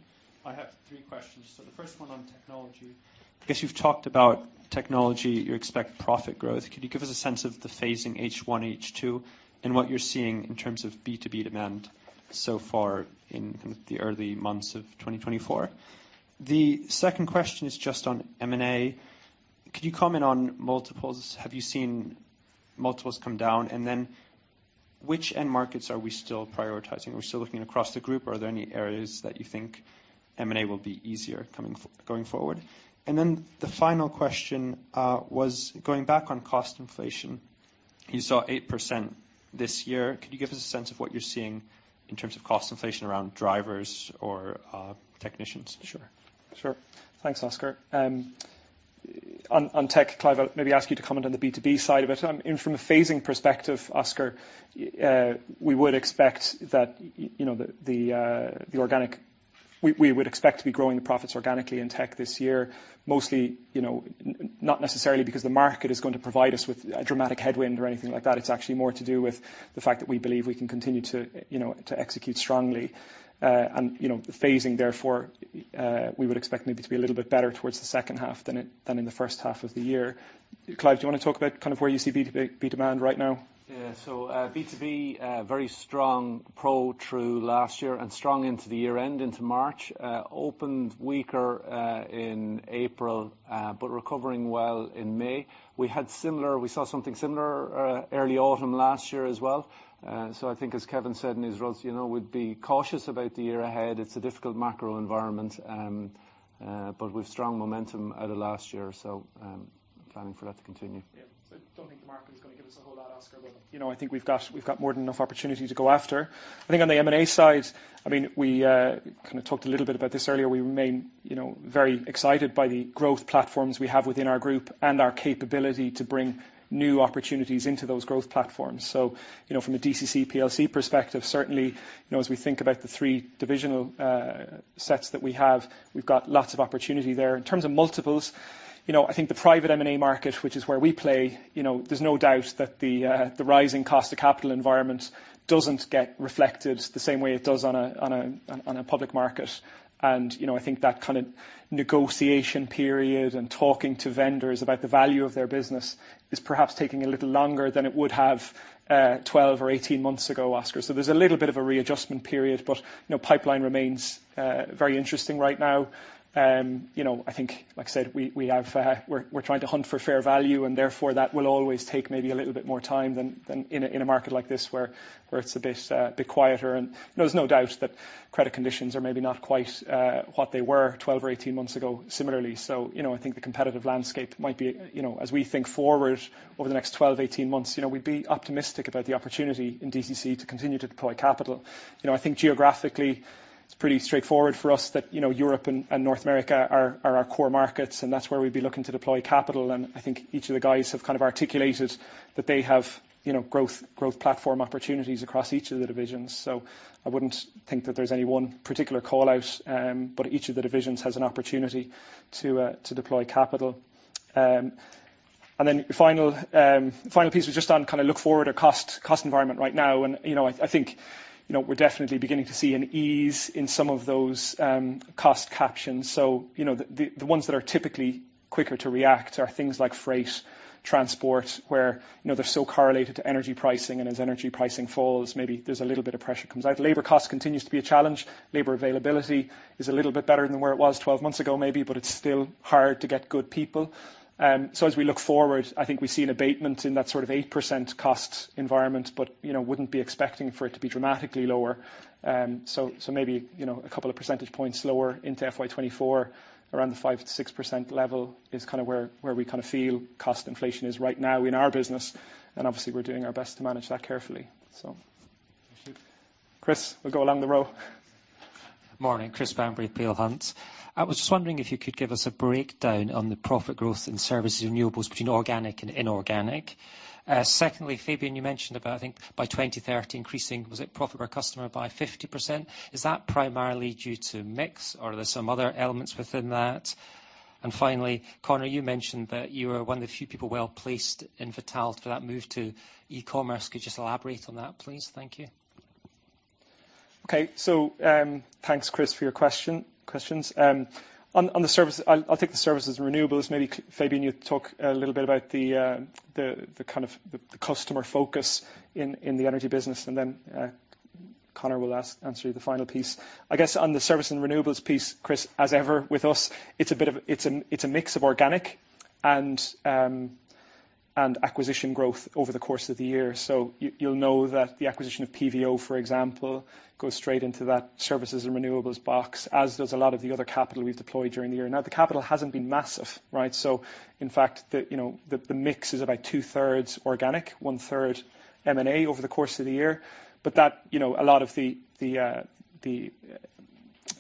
I have three questions. The first one on technology. I guess you've talked about technology. You expect profit growth. Could you give us a sense of the phasing H1, H2, and what you're seeing in terms of B2B demand so far in the early months of 2024? The second question is just on M&A. Could you comment on multiples? Have you seen multiples come down? Which end markets are we still prioritizing? Are we still looking across the group? Are there any areas that you think M&A will be easier going forward? The final question was going back on cost inflation. You saw 8% this year. Could you give us a sense of what you're seeing in terms of cost inflation around drivers or technicians? Sure. Sure. Thanks, Oscar. On tech, Clive, I'll maybe ask you to comment on the B2B side of it. From a phasing perspective, Oscar, we would expect that, you know, We would expect to be growing the profits organically in tech this year. Mostly, you know, not necessarily because the market is going to provide us with a dramatic headwind or anything like that. It's actually more to do with the fact that we believe we can continue to, you know, to execute strongly. You know, the phasing, therefore, we would expect maybe to be a little bit better towards the second half than in the first half of the year. Clive, do you wanna talk about kind of where you see B2B demand right now? Yeah. B2B, very strong Pro through last year and strong into the year-end into March. Opened weaker in April, recovering well in May. We saw something similar early autumn last year as well. I think as Kevin said in his ruse, you know, we'd be cautious about the year ahead. It's a difficult macro environment, but with strong momentum out of last year. Planning for that to continue. Don't think the market is gonna give us a whole lot, Oscar, you know, I think we've got, we've got more than enough opportunity to go after. I think on the M&A side, I mean, we kinda talked a little bit about this earlier. We remain, you know, very excited by the growth platforms we have within our group and our capability to bring new opportunities into those growth platforms. You know, from a DCC plc perspective, certainly, you know, as we think about the three divisional sets that we have, we've got lots of opportunity there. In terms of multiples, you know, I think the private M&A market, which is where we play, you know, there's no doubt that the rising cost of capital environment doesn't get reflected the same way it does on a public market. You know, I think that kind of negotiation period and talking to vendors about the value of their business is perhaps taking a little longer than it would have, 12 or 18 months ago, Oscar. There's a little bit of a readjustment period, but, you know, pipeline remains very interesting right now. You know, I think, like I said, we have. We're trying to hunt for fair value, and therefore, that will always take maybe a little bit more time than in a, in a market like this, where it's a bit a bit quieter. There's no doubt that credit conditions are maybe not quite what they were 12 or 18 months ago similarly. You know, I think the competitive landscape might be, you know, as we think forward over the next 12-18 months, you know, we'd be optimistic about the opportunity in DCC to continue to deploy capital. You know, I think geographically, it's pretty straightforward for us that, you know, Europe and North America are our core markets, and that's where we'd be looking to deploy capital. I think each of the guys have kind of articulated that they have, you know, growth platform opportunities across each of the divisions. I wouldn't think that there's any one particular call-out, but each of the divisions has an opportunity to deploy capital. Then final piece was just on kinda look forward our cost environment right now. You know, I think, you know, we're definitely beginning to see an ease in some of those cost captions. You know, the ones that are typically quicker to react are things like freight, transport, where, you know, they're so correlated to energy pricing, and as energy pricing falls, maybe there's a little bit of pressure comes out. Labor cost continues to be a challenge. Labor availability is a little bit better than where it was 12 months ago, maybe, but it's still hard to get good people. As we look forward, I think we see an abatement in that sort of 8% cost environment, but, you know, wouldn't be expecting for it to be dramatically lower. So maybe, you know, a couple of percentage points lower into FY 2024, around the 5%-6% level is kinda where we kinda feel cost inflation is right now in our business. Obviously, we're doing our best to manage that carefully. Chris, we'll go along the row. Morning. Clyde Lewis, Peel Hunt. I was just wondering if you could give us a breakdown on the profit growth in services and renewables between organic and inorganic? secondly, Fabian, you mentioned about, I think, by 2030 increasing, was it profit per customer by 50%? Is that primarily due to mix, or are there some other elements within that? Finally, Conor, you mentioned that you were one of the few people well-placed in Vitality for that move to e-commerce. Could you just elaborate on that, please? Thank you. Okay. thanks, Chris, for your question. On the service, I'll take the services and renewables. Maybe Fabian, you talk a little bit about the kind of the customer focus in the energy business, and then Conor will answer the final piece. I guess on the service and renewables piece, Chris, as ever with us, it's a mix of organic and acquisition growth over the course of the year. You'll know that the acquisition of PVO, for example, goes straight into that services and renewables box, as does a lot of the other capital we've deployed during the year. The capital hasn't been massive, right? In fact, the, you know, the mix is about 2/3 organic, 1/3 M&A over the course of the year. That, you know, a lot of the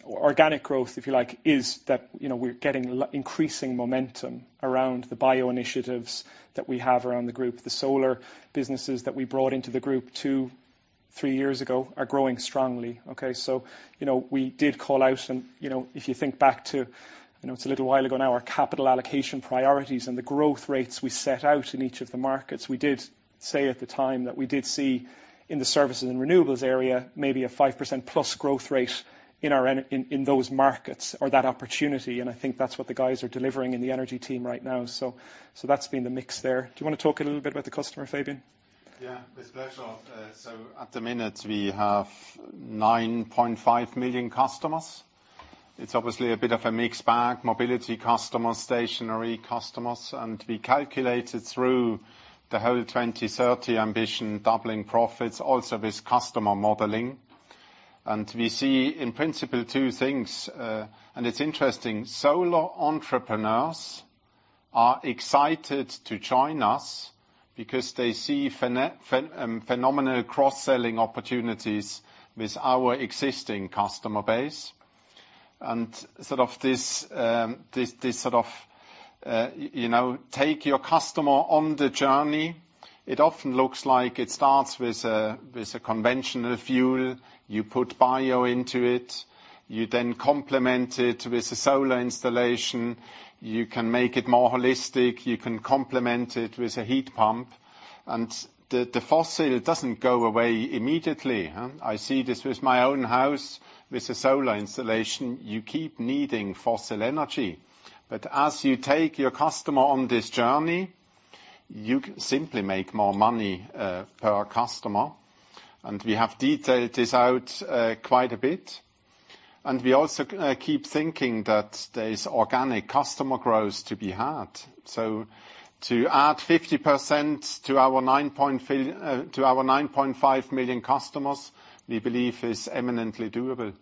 organic growth, if you like, is that, you know, we're getting increasing momentum around the bio initiatives that we have around the group. The solar businesses that we brought into the group two, three years ago are growing strongly. Okay. You know, we did call out and, you know, if you think back to, you know, it's a little while ago now, our capital allocation priorities and the growth rates we set out in each of the markets. We did say at the time that we did see in the services and renewables area maybe a 5% plus growth rate in those markets or that opportunity, and I think that's what the guys are delivering in the energy team right now. That's been the mix there. Do you wanna talk a little bit about the customer, Fabian? With pleasure. At the minute, we have 9.5 million customers. It's obviously a bit of a mixed bag. Mobility customers, stationary customers. We calculated through the whole 2030 ambition, doubling profits also with customer modeling. We see in principle two things, it's interesting. Solar entrepreneurs are excited to join us because they see phenomenal cross-selling opportunities with our existing customer base. Sort of this sort of, you know, take your customer on the journey. It often looks like it starts with a conventional fuel. You put bio into it. You complement it with a solar installation. You can make it more holistic. You can complement it with a heat pump. The fossil doesn't go away immediately, huh. I see this with my own house with a solar installation. You keep needing fossil energy. As you take your customer on this journey, you can simply make more money per customer. We have detailed this out quite a bit. We also, keep thinking that there is organic customer growth to be had. To add 50% to our 9.5 million customers, we believe is eminently doable.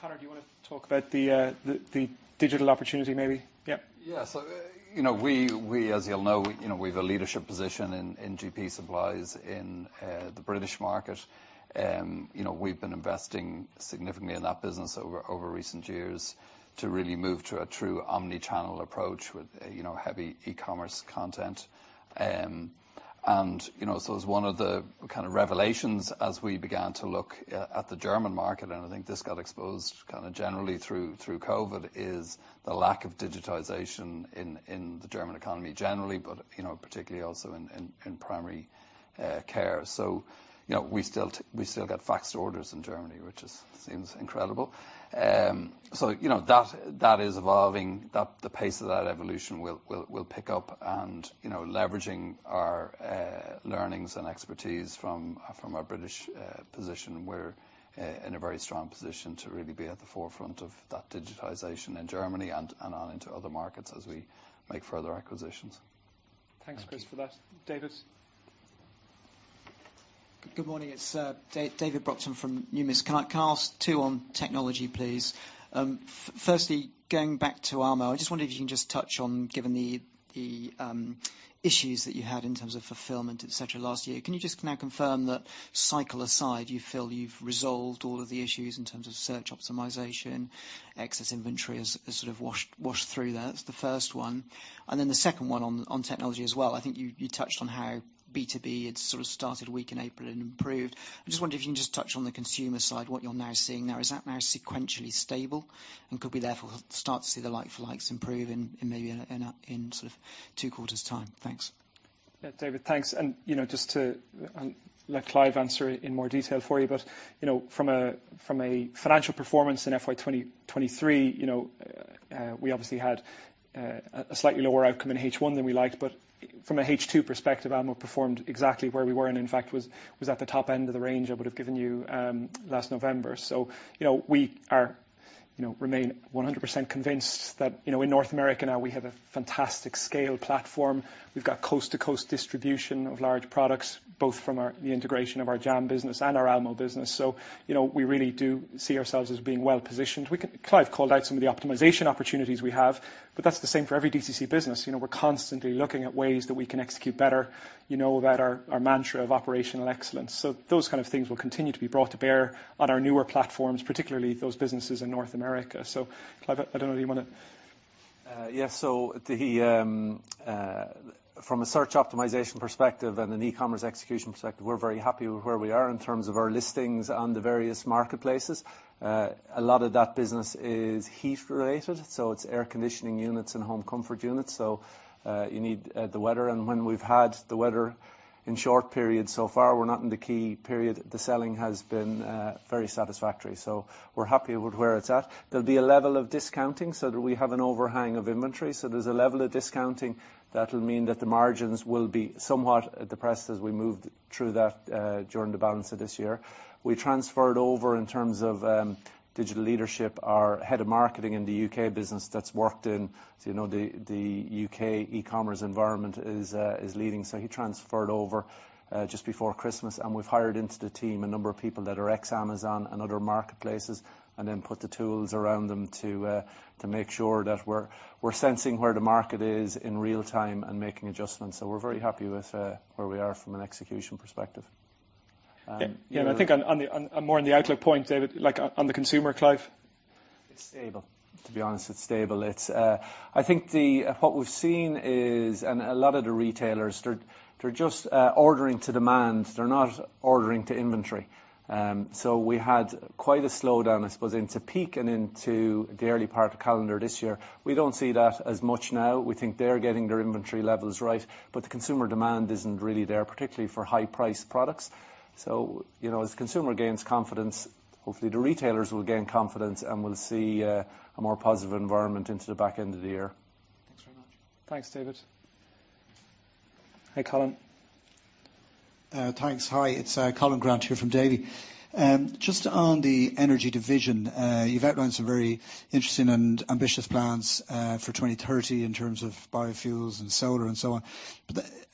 Conor, do you want to talk about the digital opportunity maybe? Yeah. Yeah. You know, we, as you'll know, you know, we've a leadership position in GP supplies in the British market. You know, we've been investing significantly in that business over recent years to really move to a true omnichannel approach with, you know, heavy e-commerce content. You know, so it was one of the kind of revelations as we began to look at the German market, and I think this got exposed kind of generally through Covid, is the lack of digitization in the German economy generally, but, you know, particularly also in primary care. You know, we still get faxed orders in Germany, which is, seems incredible. You know, that is evolving. That, the pace of that evolution will pick up. You know, leveraging our learnings and expertise from our British position, we're in a very strong position to really be at the forefront of that digitization in Germany and on into other markets as we make further acquisitions. Thanks, Chris, for that. Thank you. David. Good morning. It's David Brockton from Numis. Can I ask 2 on technology, please? Firstly, going back to Almo, I just wondered if you can just touch on, given the issues that you had in terms of fulfillment, et cetera, last year. Can you just now confirm that cycle aside, you feel you've resolved all of the issues in terms of search optimization, excess inventory has sort of washed through there? That's the first one. The second one on technology as well. I think you touched on how B2B had sort of started weak in April and improved. I just wondered if you can just touch on the consumer side, what you're now seeing there? Is that now sequentially stable and could we therefore start to see the like for likes improve in maybe in a, in a, in sort of two quarters' time? Thanks. Yeah. David, thanks. You know, just to let Clive answer in more detail for you, but, you know, from a financial performance in FY 2023, you know, we obviously had a slightly lower outcome in H1 than we liked. From a H2 perspective, Almo performed exactly where we were and in fact was at the top end of the range I would've given you last November. You know, we remain 100% convinced that, you know, in North America now we have a fantastic scale platform. We've got coast-to-coast distribution of large products, both from the integration of our JAM business and our Almo business. You know, we really do see ourselves as being well-positioned. Clive called out some of the optimization opportunities we have, but that's the same for every DCC business. You know, we're constantly looking at ways that we can execute better. You know about our mantra of operational excellence. Those kind of things will continue to be brought to bear on our newer platforms, particularly those businesses in North America. Clive, I don't know whether you wanna Yeah. The, from a search optimization perspective and an e-commerce execution perspective, we're very happy with where we are in terms of our listings on the various marketplaces. A lot of that business is heat related, so it's air conditioning units and home comfort units. You need the weather, and when we've had the weather in short periods so far, we're not in the key period, the selling has been very satisfactory. We're happy with where it's at. There'll be a level of discounting so that we have an overhang of inventory. There's a level of discounting that'll mean that the margins will be somewhat depressed as we move through that during the balance of this year. We transferred over in terms of digital leadership, our head of marketing in the U.K. business that's worked in, you know, the U.K. e-commerce environment is leading. He transferred over just before Christmas, and we've hired into the team a number of people that are ex-Amazon and other marketplaces, and then put the tools around them to make sure that we're sensing where the market is in real time and making adjustments. We're very happy with where we are from an execution perspective. Yeah. Yeah, I think on the more on the outlook point, David, like on the consumer, Clive? It's stable. To be honest, it's stable. It's. I think what we've seen is, and a lot of the retailers, they're just ordering to demand. They're not ordering to inventory. We had quite a slowdown, I suppose, into peak and into the early part of calendar this year. We don't see that as much now. We think they're getting their inventory levels right, but the consumer demand isn't really there, particularly for high-priced products. You know, as consumer gains confidence, hopefully the retailers will gain confidence and we'll see a more positive environment into the back end of the year. Thanks very much. Thanks, David. Hey, Colin. Thanks. Hi, it's Colin Grant here from Davy. Just on the Energy division, you've outlined some very interesting and ambitious plans for 2030 in terms of biofuels and solar and so on.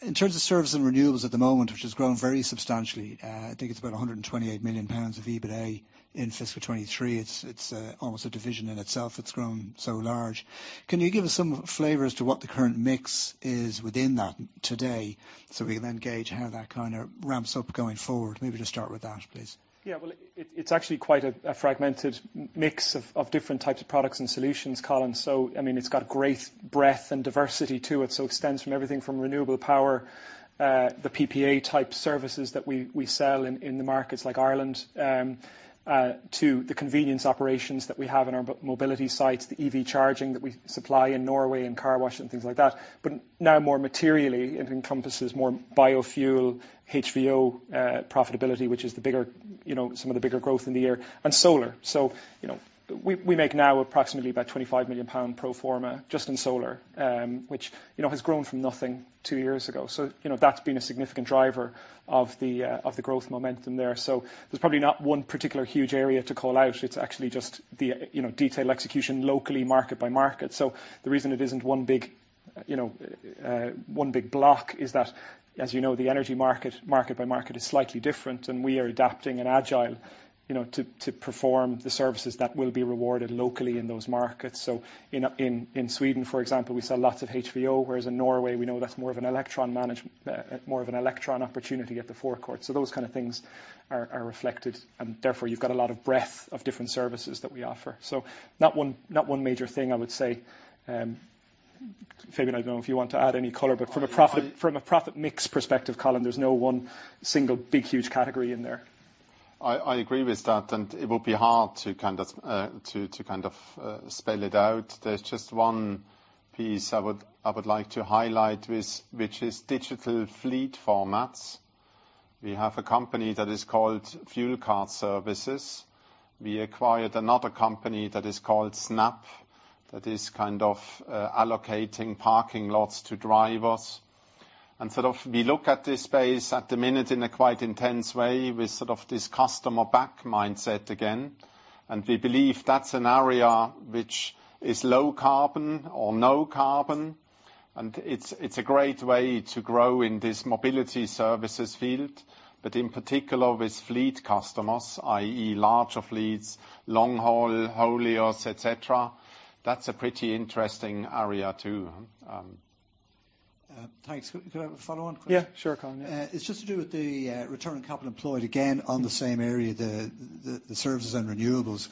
In terms of service and renewables at the moment, which has grown very substantially, I think it's about 128 million pounds of EBITDA in FY 2023. It's almost a division in itself. It's grown so large. Can you give us some flavor as to what the current mix is within that today, so we can then gauge how that kind of ramps up going forward? Maybe just start with that, please. Well, it's actually quite a fragmented mix of different types of products and solutions, Colin. I mean, it's got great breadth and diversity to it, so extends from everything from renewable power, the PPA-type services that we sell in the markets like Ireland, to the convenience operations that we have in our mobility sites, the EV charging that we supply in Norway and car wash and things like that. Now more materially, it encompasses more biofuel HVO profitability, which is the bigger, you know, some of the bigger growth in the year, and solar. You know, we make now approximately about 25 million pound pro forma just in solar, which, you know, has grown from nothing two years ago. You know, that's been a significant driver of the growth momentum there. There's probably not one particular huge area to call out. It's actually just the, you know, detailed execution locally market-by-market. The reason it isn't one big, you know, one big block is that, as you know, the energy market-by-market is slightly different, and we are adapting and agile, you know, to perform the services that will be rewarded locally in those markets. In Sweden, for example, we sell lots of HVO, whereas in Norway, we know that's more of an electron opportunity at the forecourt. Those kind of things are reflected and therefore you've got a lot of breadth of different services that we offer. Not one major thing I would say. Fabian, I don't know if you want to add any color, but from a profit- I- From a profit mix perspective, Colin, there's no one single big, huge category in there. I agree with that, and it will be hard to kind of spell it out. There's just one piece I would like to highlight which is digital fleet formats. We have a company that is called Fuel Card Services. We acquired another company that is called SNAP, that is kind of allocating parking lots to drivers. Sort of we look at this space at the minute in a quite intense way with sort of this customer back mindset again. We believe that's an area which is low carbon or no carbon, and it's a great way to grow in this mobility services field. In particular with fleet customers, i.e., larger fleets, long-haul, hauliers, et cetera, that's a pretty interesting area too. Thanks. Could I have a follow on quick? Yeah. Sure, Colin. Yeah. It's just to do with the return on capital employed, again, on the same area, the services and renewables,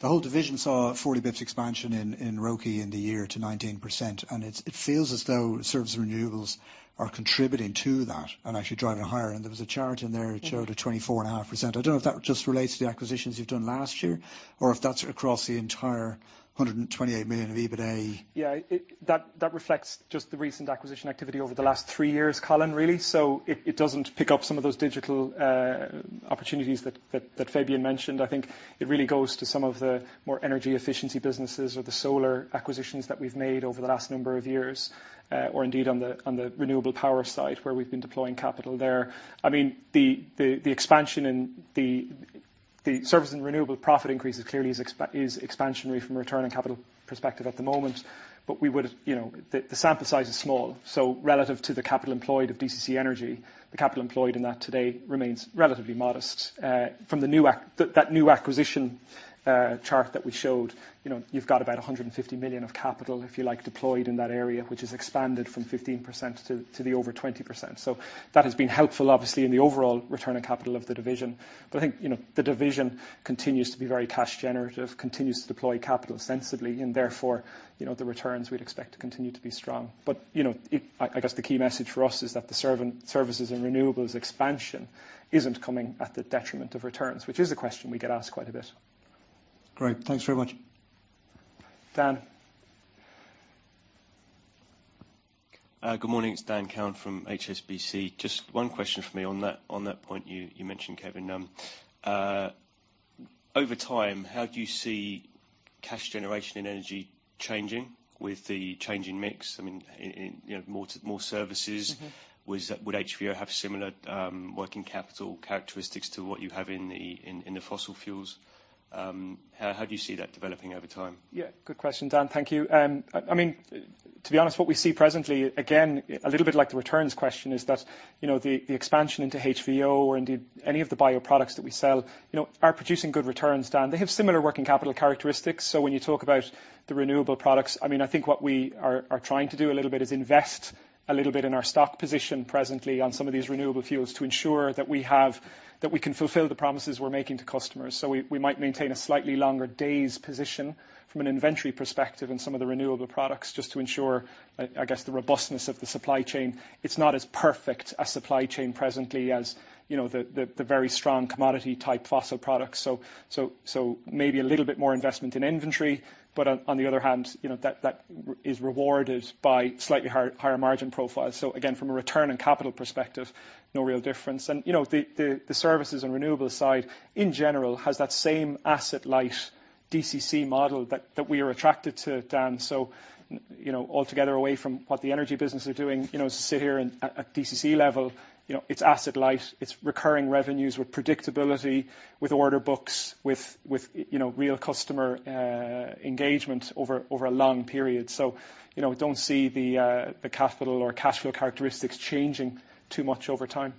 the whole division saw 40 bits expansion in ROCE in the year to 19%. It feels as though service renewables are contributing to that and actually driving it higher. There was a chart in there. Mm-hmm. which showed a 24.5%. I don't know if that just relates to the acquisitions you've done last year or if that's across the entire 128 million of EBITDA? Yeah. That reflects just the recent acquisition activity over the last 3 years, Colin, really. It doesn't pick up some of those digital opportunities that Fabian mentioned. I think it really goes to some of the more energy efficiency businesses or the solar acquisitions that we've made over the last number of years, or indeed on the renewable power side where we've been deploying capital there. I mean, the expansion in the service and renewable profit increase is clearly expansionary from a return on capital perspective at the moment. We would have, you know, the sample size is small, so relative to the capital employed of DCC Energy, the capital employed in that today remains relatively modest. From the new acquisition chart that we showed, you know, you've got about 150 million of capital, if you like, deployed in that area, which has expanded from 15% to the over 20%. That has been helpful, obviously, in the overall return on capital of the division. I think, you know, the division continues to be very cash generative, continues to deploy capital sensibly and therefore, you know, the returns we'd expect to continue to be strong. You know, I guess the key message for us is that the services and renewables expansion isn't coming at the detriment of returns, which is a question we get asked quite a bit. Great. Thanks very much. Dan. Good morning. It's Daniel Connell from HSBC. Just one question for me on that point you mentioned, Kevin. Over time, how do you see cash generation and Energy changing with the changing mix? I mean, you know, more services. Mm-hmm. Would HVO have similar working capital characteristics to what you have in the fossil fuels? How do you see that developing over time? Yeah, good question, Dan. Thank you. I mean, to be honest, what we see presently, again, a little bit like the returns question is that, you know, the expansion into HVO or indeed any of the bio products that we sell, you know, are producing good returns, Dan. They have similar working capital characteristics. When you talk about the renewable products, I mean, I think what we are trying to do a little bit is invest a little bit in our stock position presently on some of these renewable fuels to ensure that we can fulfill the promises we're making to customers. We might maintain a slightly longer days position from an inventory perspective in some of the renewable products just to ensure, I guess, the robustness of the supply chain. It's not as perfect a supply chain presently as, you know, the very strong commodity type fossil products. Maybe a little bit more investment in inventory. On the other hand, you know, that is rewarded by slightly higher margin profiles. Again, from a return and capital perspective, no real difference. You know, the services and renewable side in general has that same asset-light DCC model that we are attracted to, Dan. You know, altogether away from what the energy business are doing, you know, sit here and at DCC level, you know, it's asset light, it's recurring revenues with predictability, with order books, with, you know, real customer engagement over a long period. You know, don't see the capital or cash flow characteristics changing too much over time.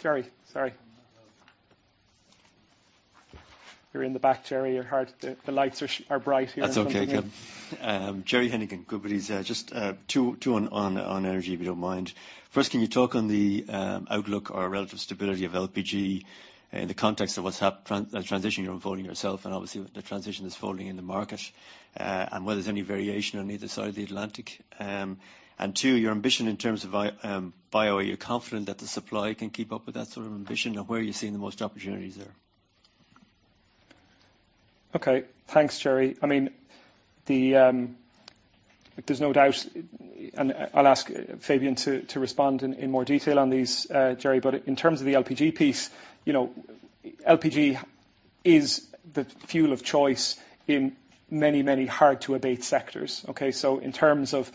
Gerry, sorry. You're in the back, Gerry. You're hard... The lights are bright here. That's okay, Kevin. Gerry Hennigan, equities. Just two on energy, if you don't mind. First, can you talk on the outlook or relative stability of LPG in the context of what's transition you're unfolding yourself and obviously the transition that's unfolding in the market, and whether there's any variation on either side of the Atlantic? Two, your ambition in terms of bio. Are you confident that the supply can keep up with that sort of ambition, and where are you seeing the most opportunities there? Okay. Thanks, Gerry. I mean, the, there's no doubt, and I'll ask Fabian to respond in more detail on these, Gerry, but in terms of the LPG piece, you know, LPG is the fuel of choice in many hard-to-abate sectors. In terms of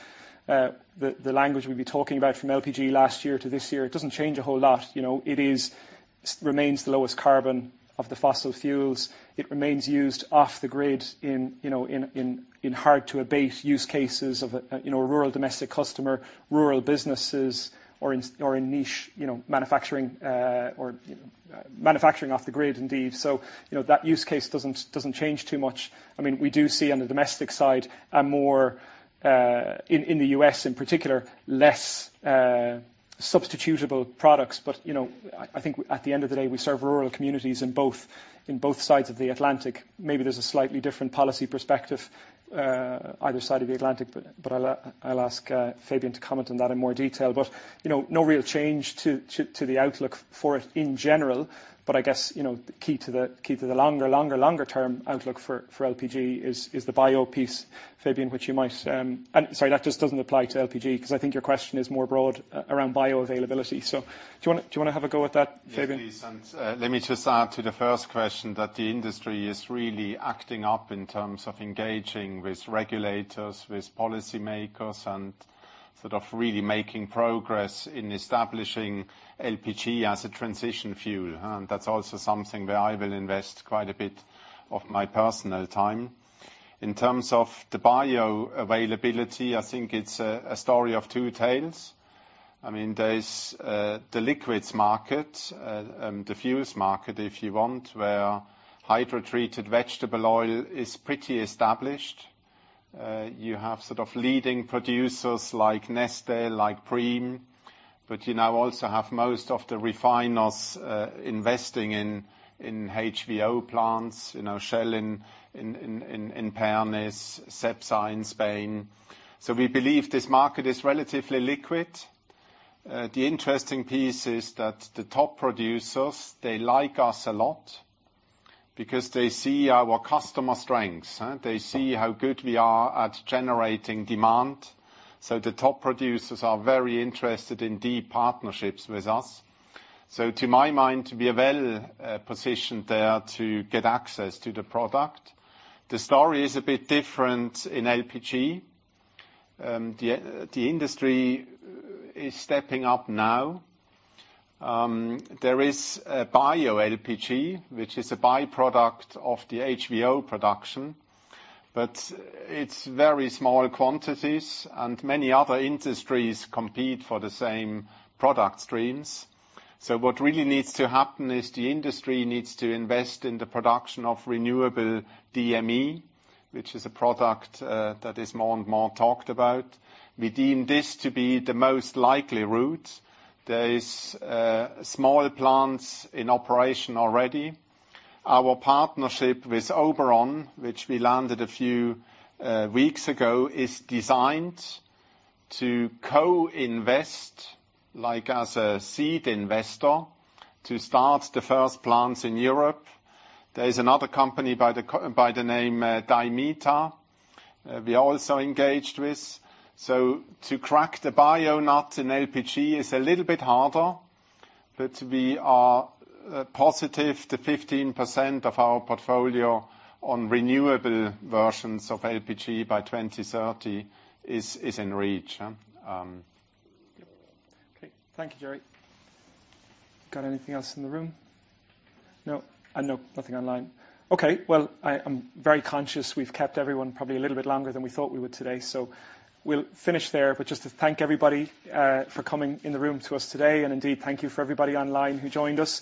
the language we'd be talking about from LPG last year to this year, it doesn't change a whole lot. You know, it remains the lowest carbon of the fossil fuels. It remains used off the grid in, you know, in hard-to-abate use cases of, you know, rural domestic customer, rural businesses or in niche, you know, manufacturing, or manufacturing off the grid indeed. You know, that use case doesn't change too much. I mean, we do see on the domestic side a more in the US in particular, less substitutable products. You know, I think at the end of the day, we serve rural communities in both sides of the Atlantic. Maybe there's a slightly different policy perspective either side of the Atlantic, but I'll ask Fabian to comment on that in more detail. You know, no real change to the outlook for it in general. I guess, you know, the key to the longer term outlook for LPG is the bio piece, Fabian, which you might. Sorry, that just doesn't apply to LPG because I think your question is more broad around bio availability. Do you wanna have a go at that, Fabian? Yes, please. Let me just add to the first question that the industry is really acting up in terms of engaging with regulators, with policymakers, and sort of really making progress in establishing LPG as a transition fuel. That's also something where I will invest quite a bit of my personal time. In terms of the bioavailability, I think it's a story of two tales. There's the liquids market, diffuse market, if you want, where hydrotreated vegetable oil is pretty established. You have sort of leading producers like Nestlé, like Preem, but you now also have most of the refiners investing in HVO plants. You know, Shell in Pernis, Cepsa in Spain. We believe this market is relatively liquid. The interesting piece is that the top producers, they like us a lot because they see our customer strengths, huh. They see how good we are at generating demand. The top producers are very interested in deep partnerships with us. To my mind, to be a well positioned there to get access to the product. The story is a bit different in LPG. The industry is stepping up now. There is a bio LPG, which is a by-product of the HVO production, but it's very small quantities, and many other industries compete for the same product streams. What really needs to happen is the industry needs to invest in the production of renewable DME, which is a product that is more and more talked about. We deem this to be the most likely route. There is small plants in operation already. Our partnership with Oberon, which we landed a few weeks ago, is designed to co-invest, like as a seed investor, to start the first plants in Europe. There is another company by the name Dimeta we also engaged with. To crack the bio nut in LPG is a little bit harder, but we are positive the 15% of our portfolio on renewable versions of LPG by 2030 is in reach, huh. Okay. Thank you, Gerry. Got anything else in the room? No. No, nothing online. Okay. Well, I'm very conscious we've kept everyone probably a little bit longer than we thought we would today. We'll finish there. Just to thank everybody for coming in the room to us today, and indeed thank you for everybody online who joined us.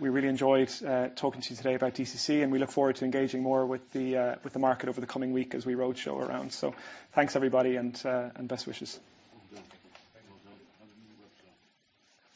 We really enjoyed talking to you today about DCC, and we look forward to engaging more with the market over the coming week as we roadshow around. Thanks, everybody, and best wishes. Well done.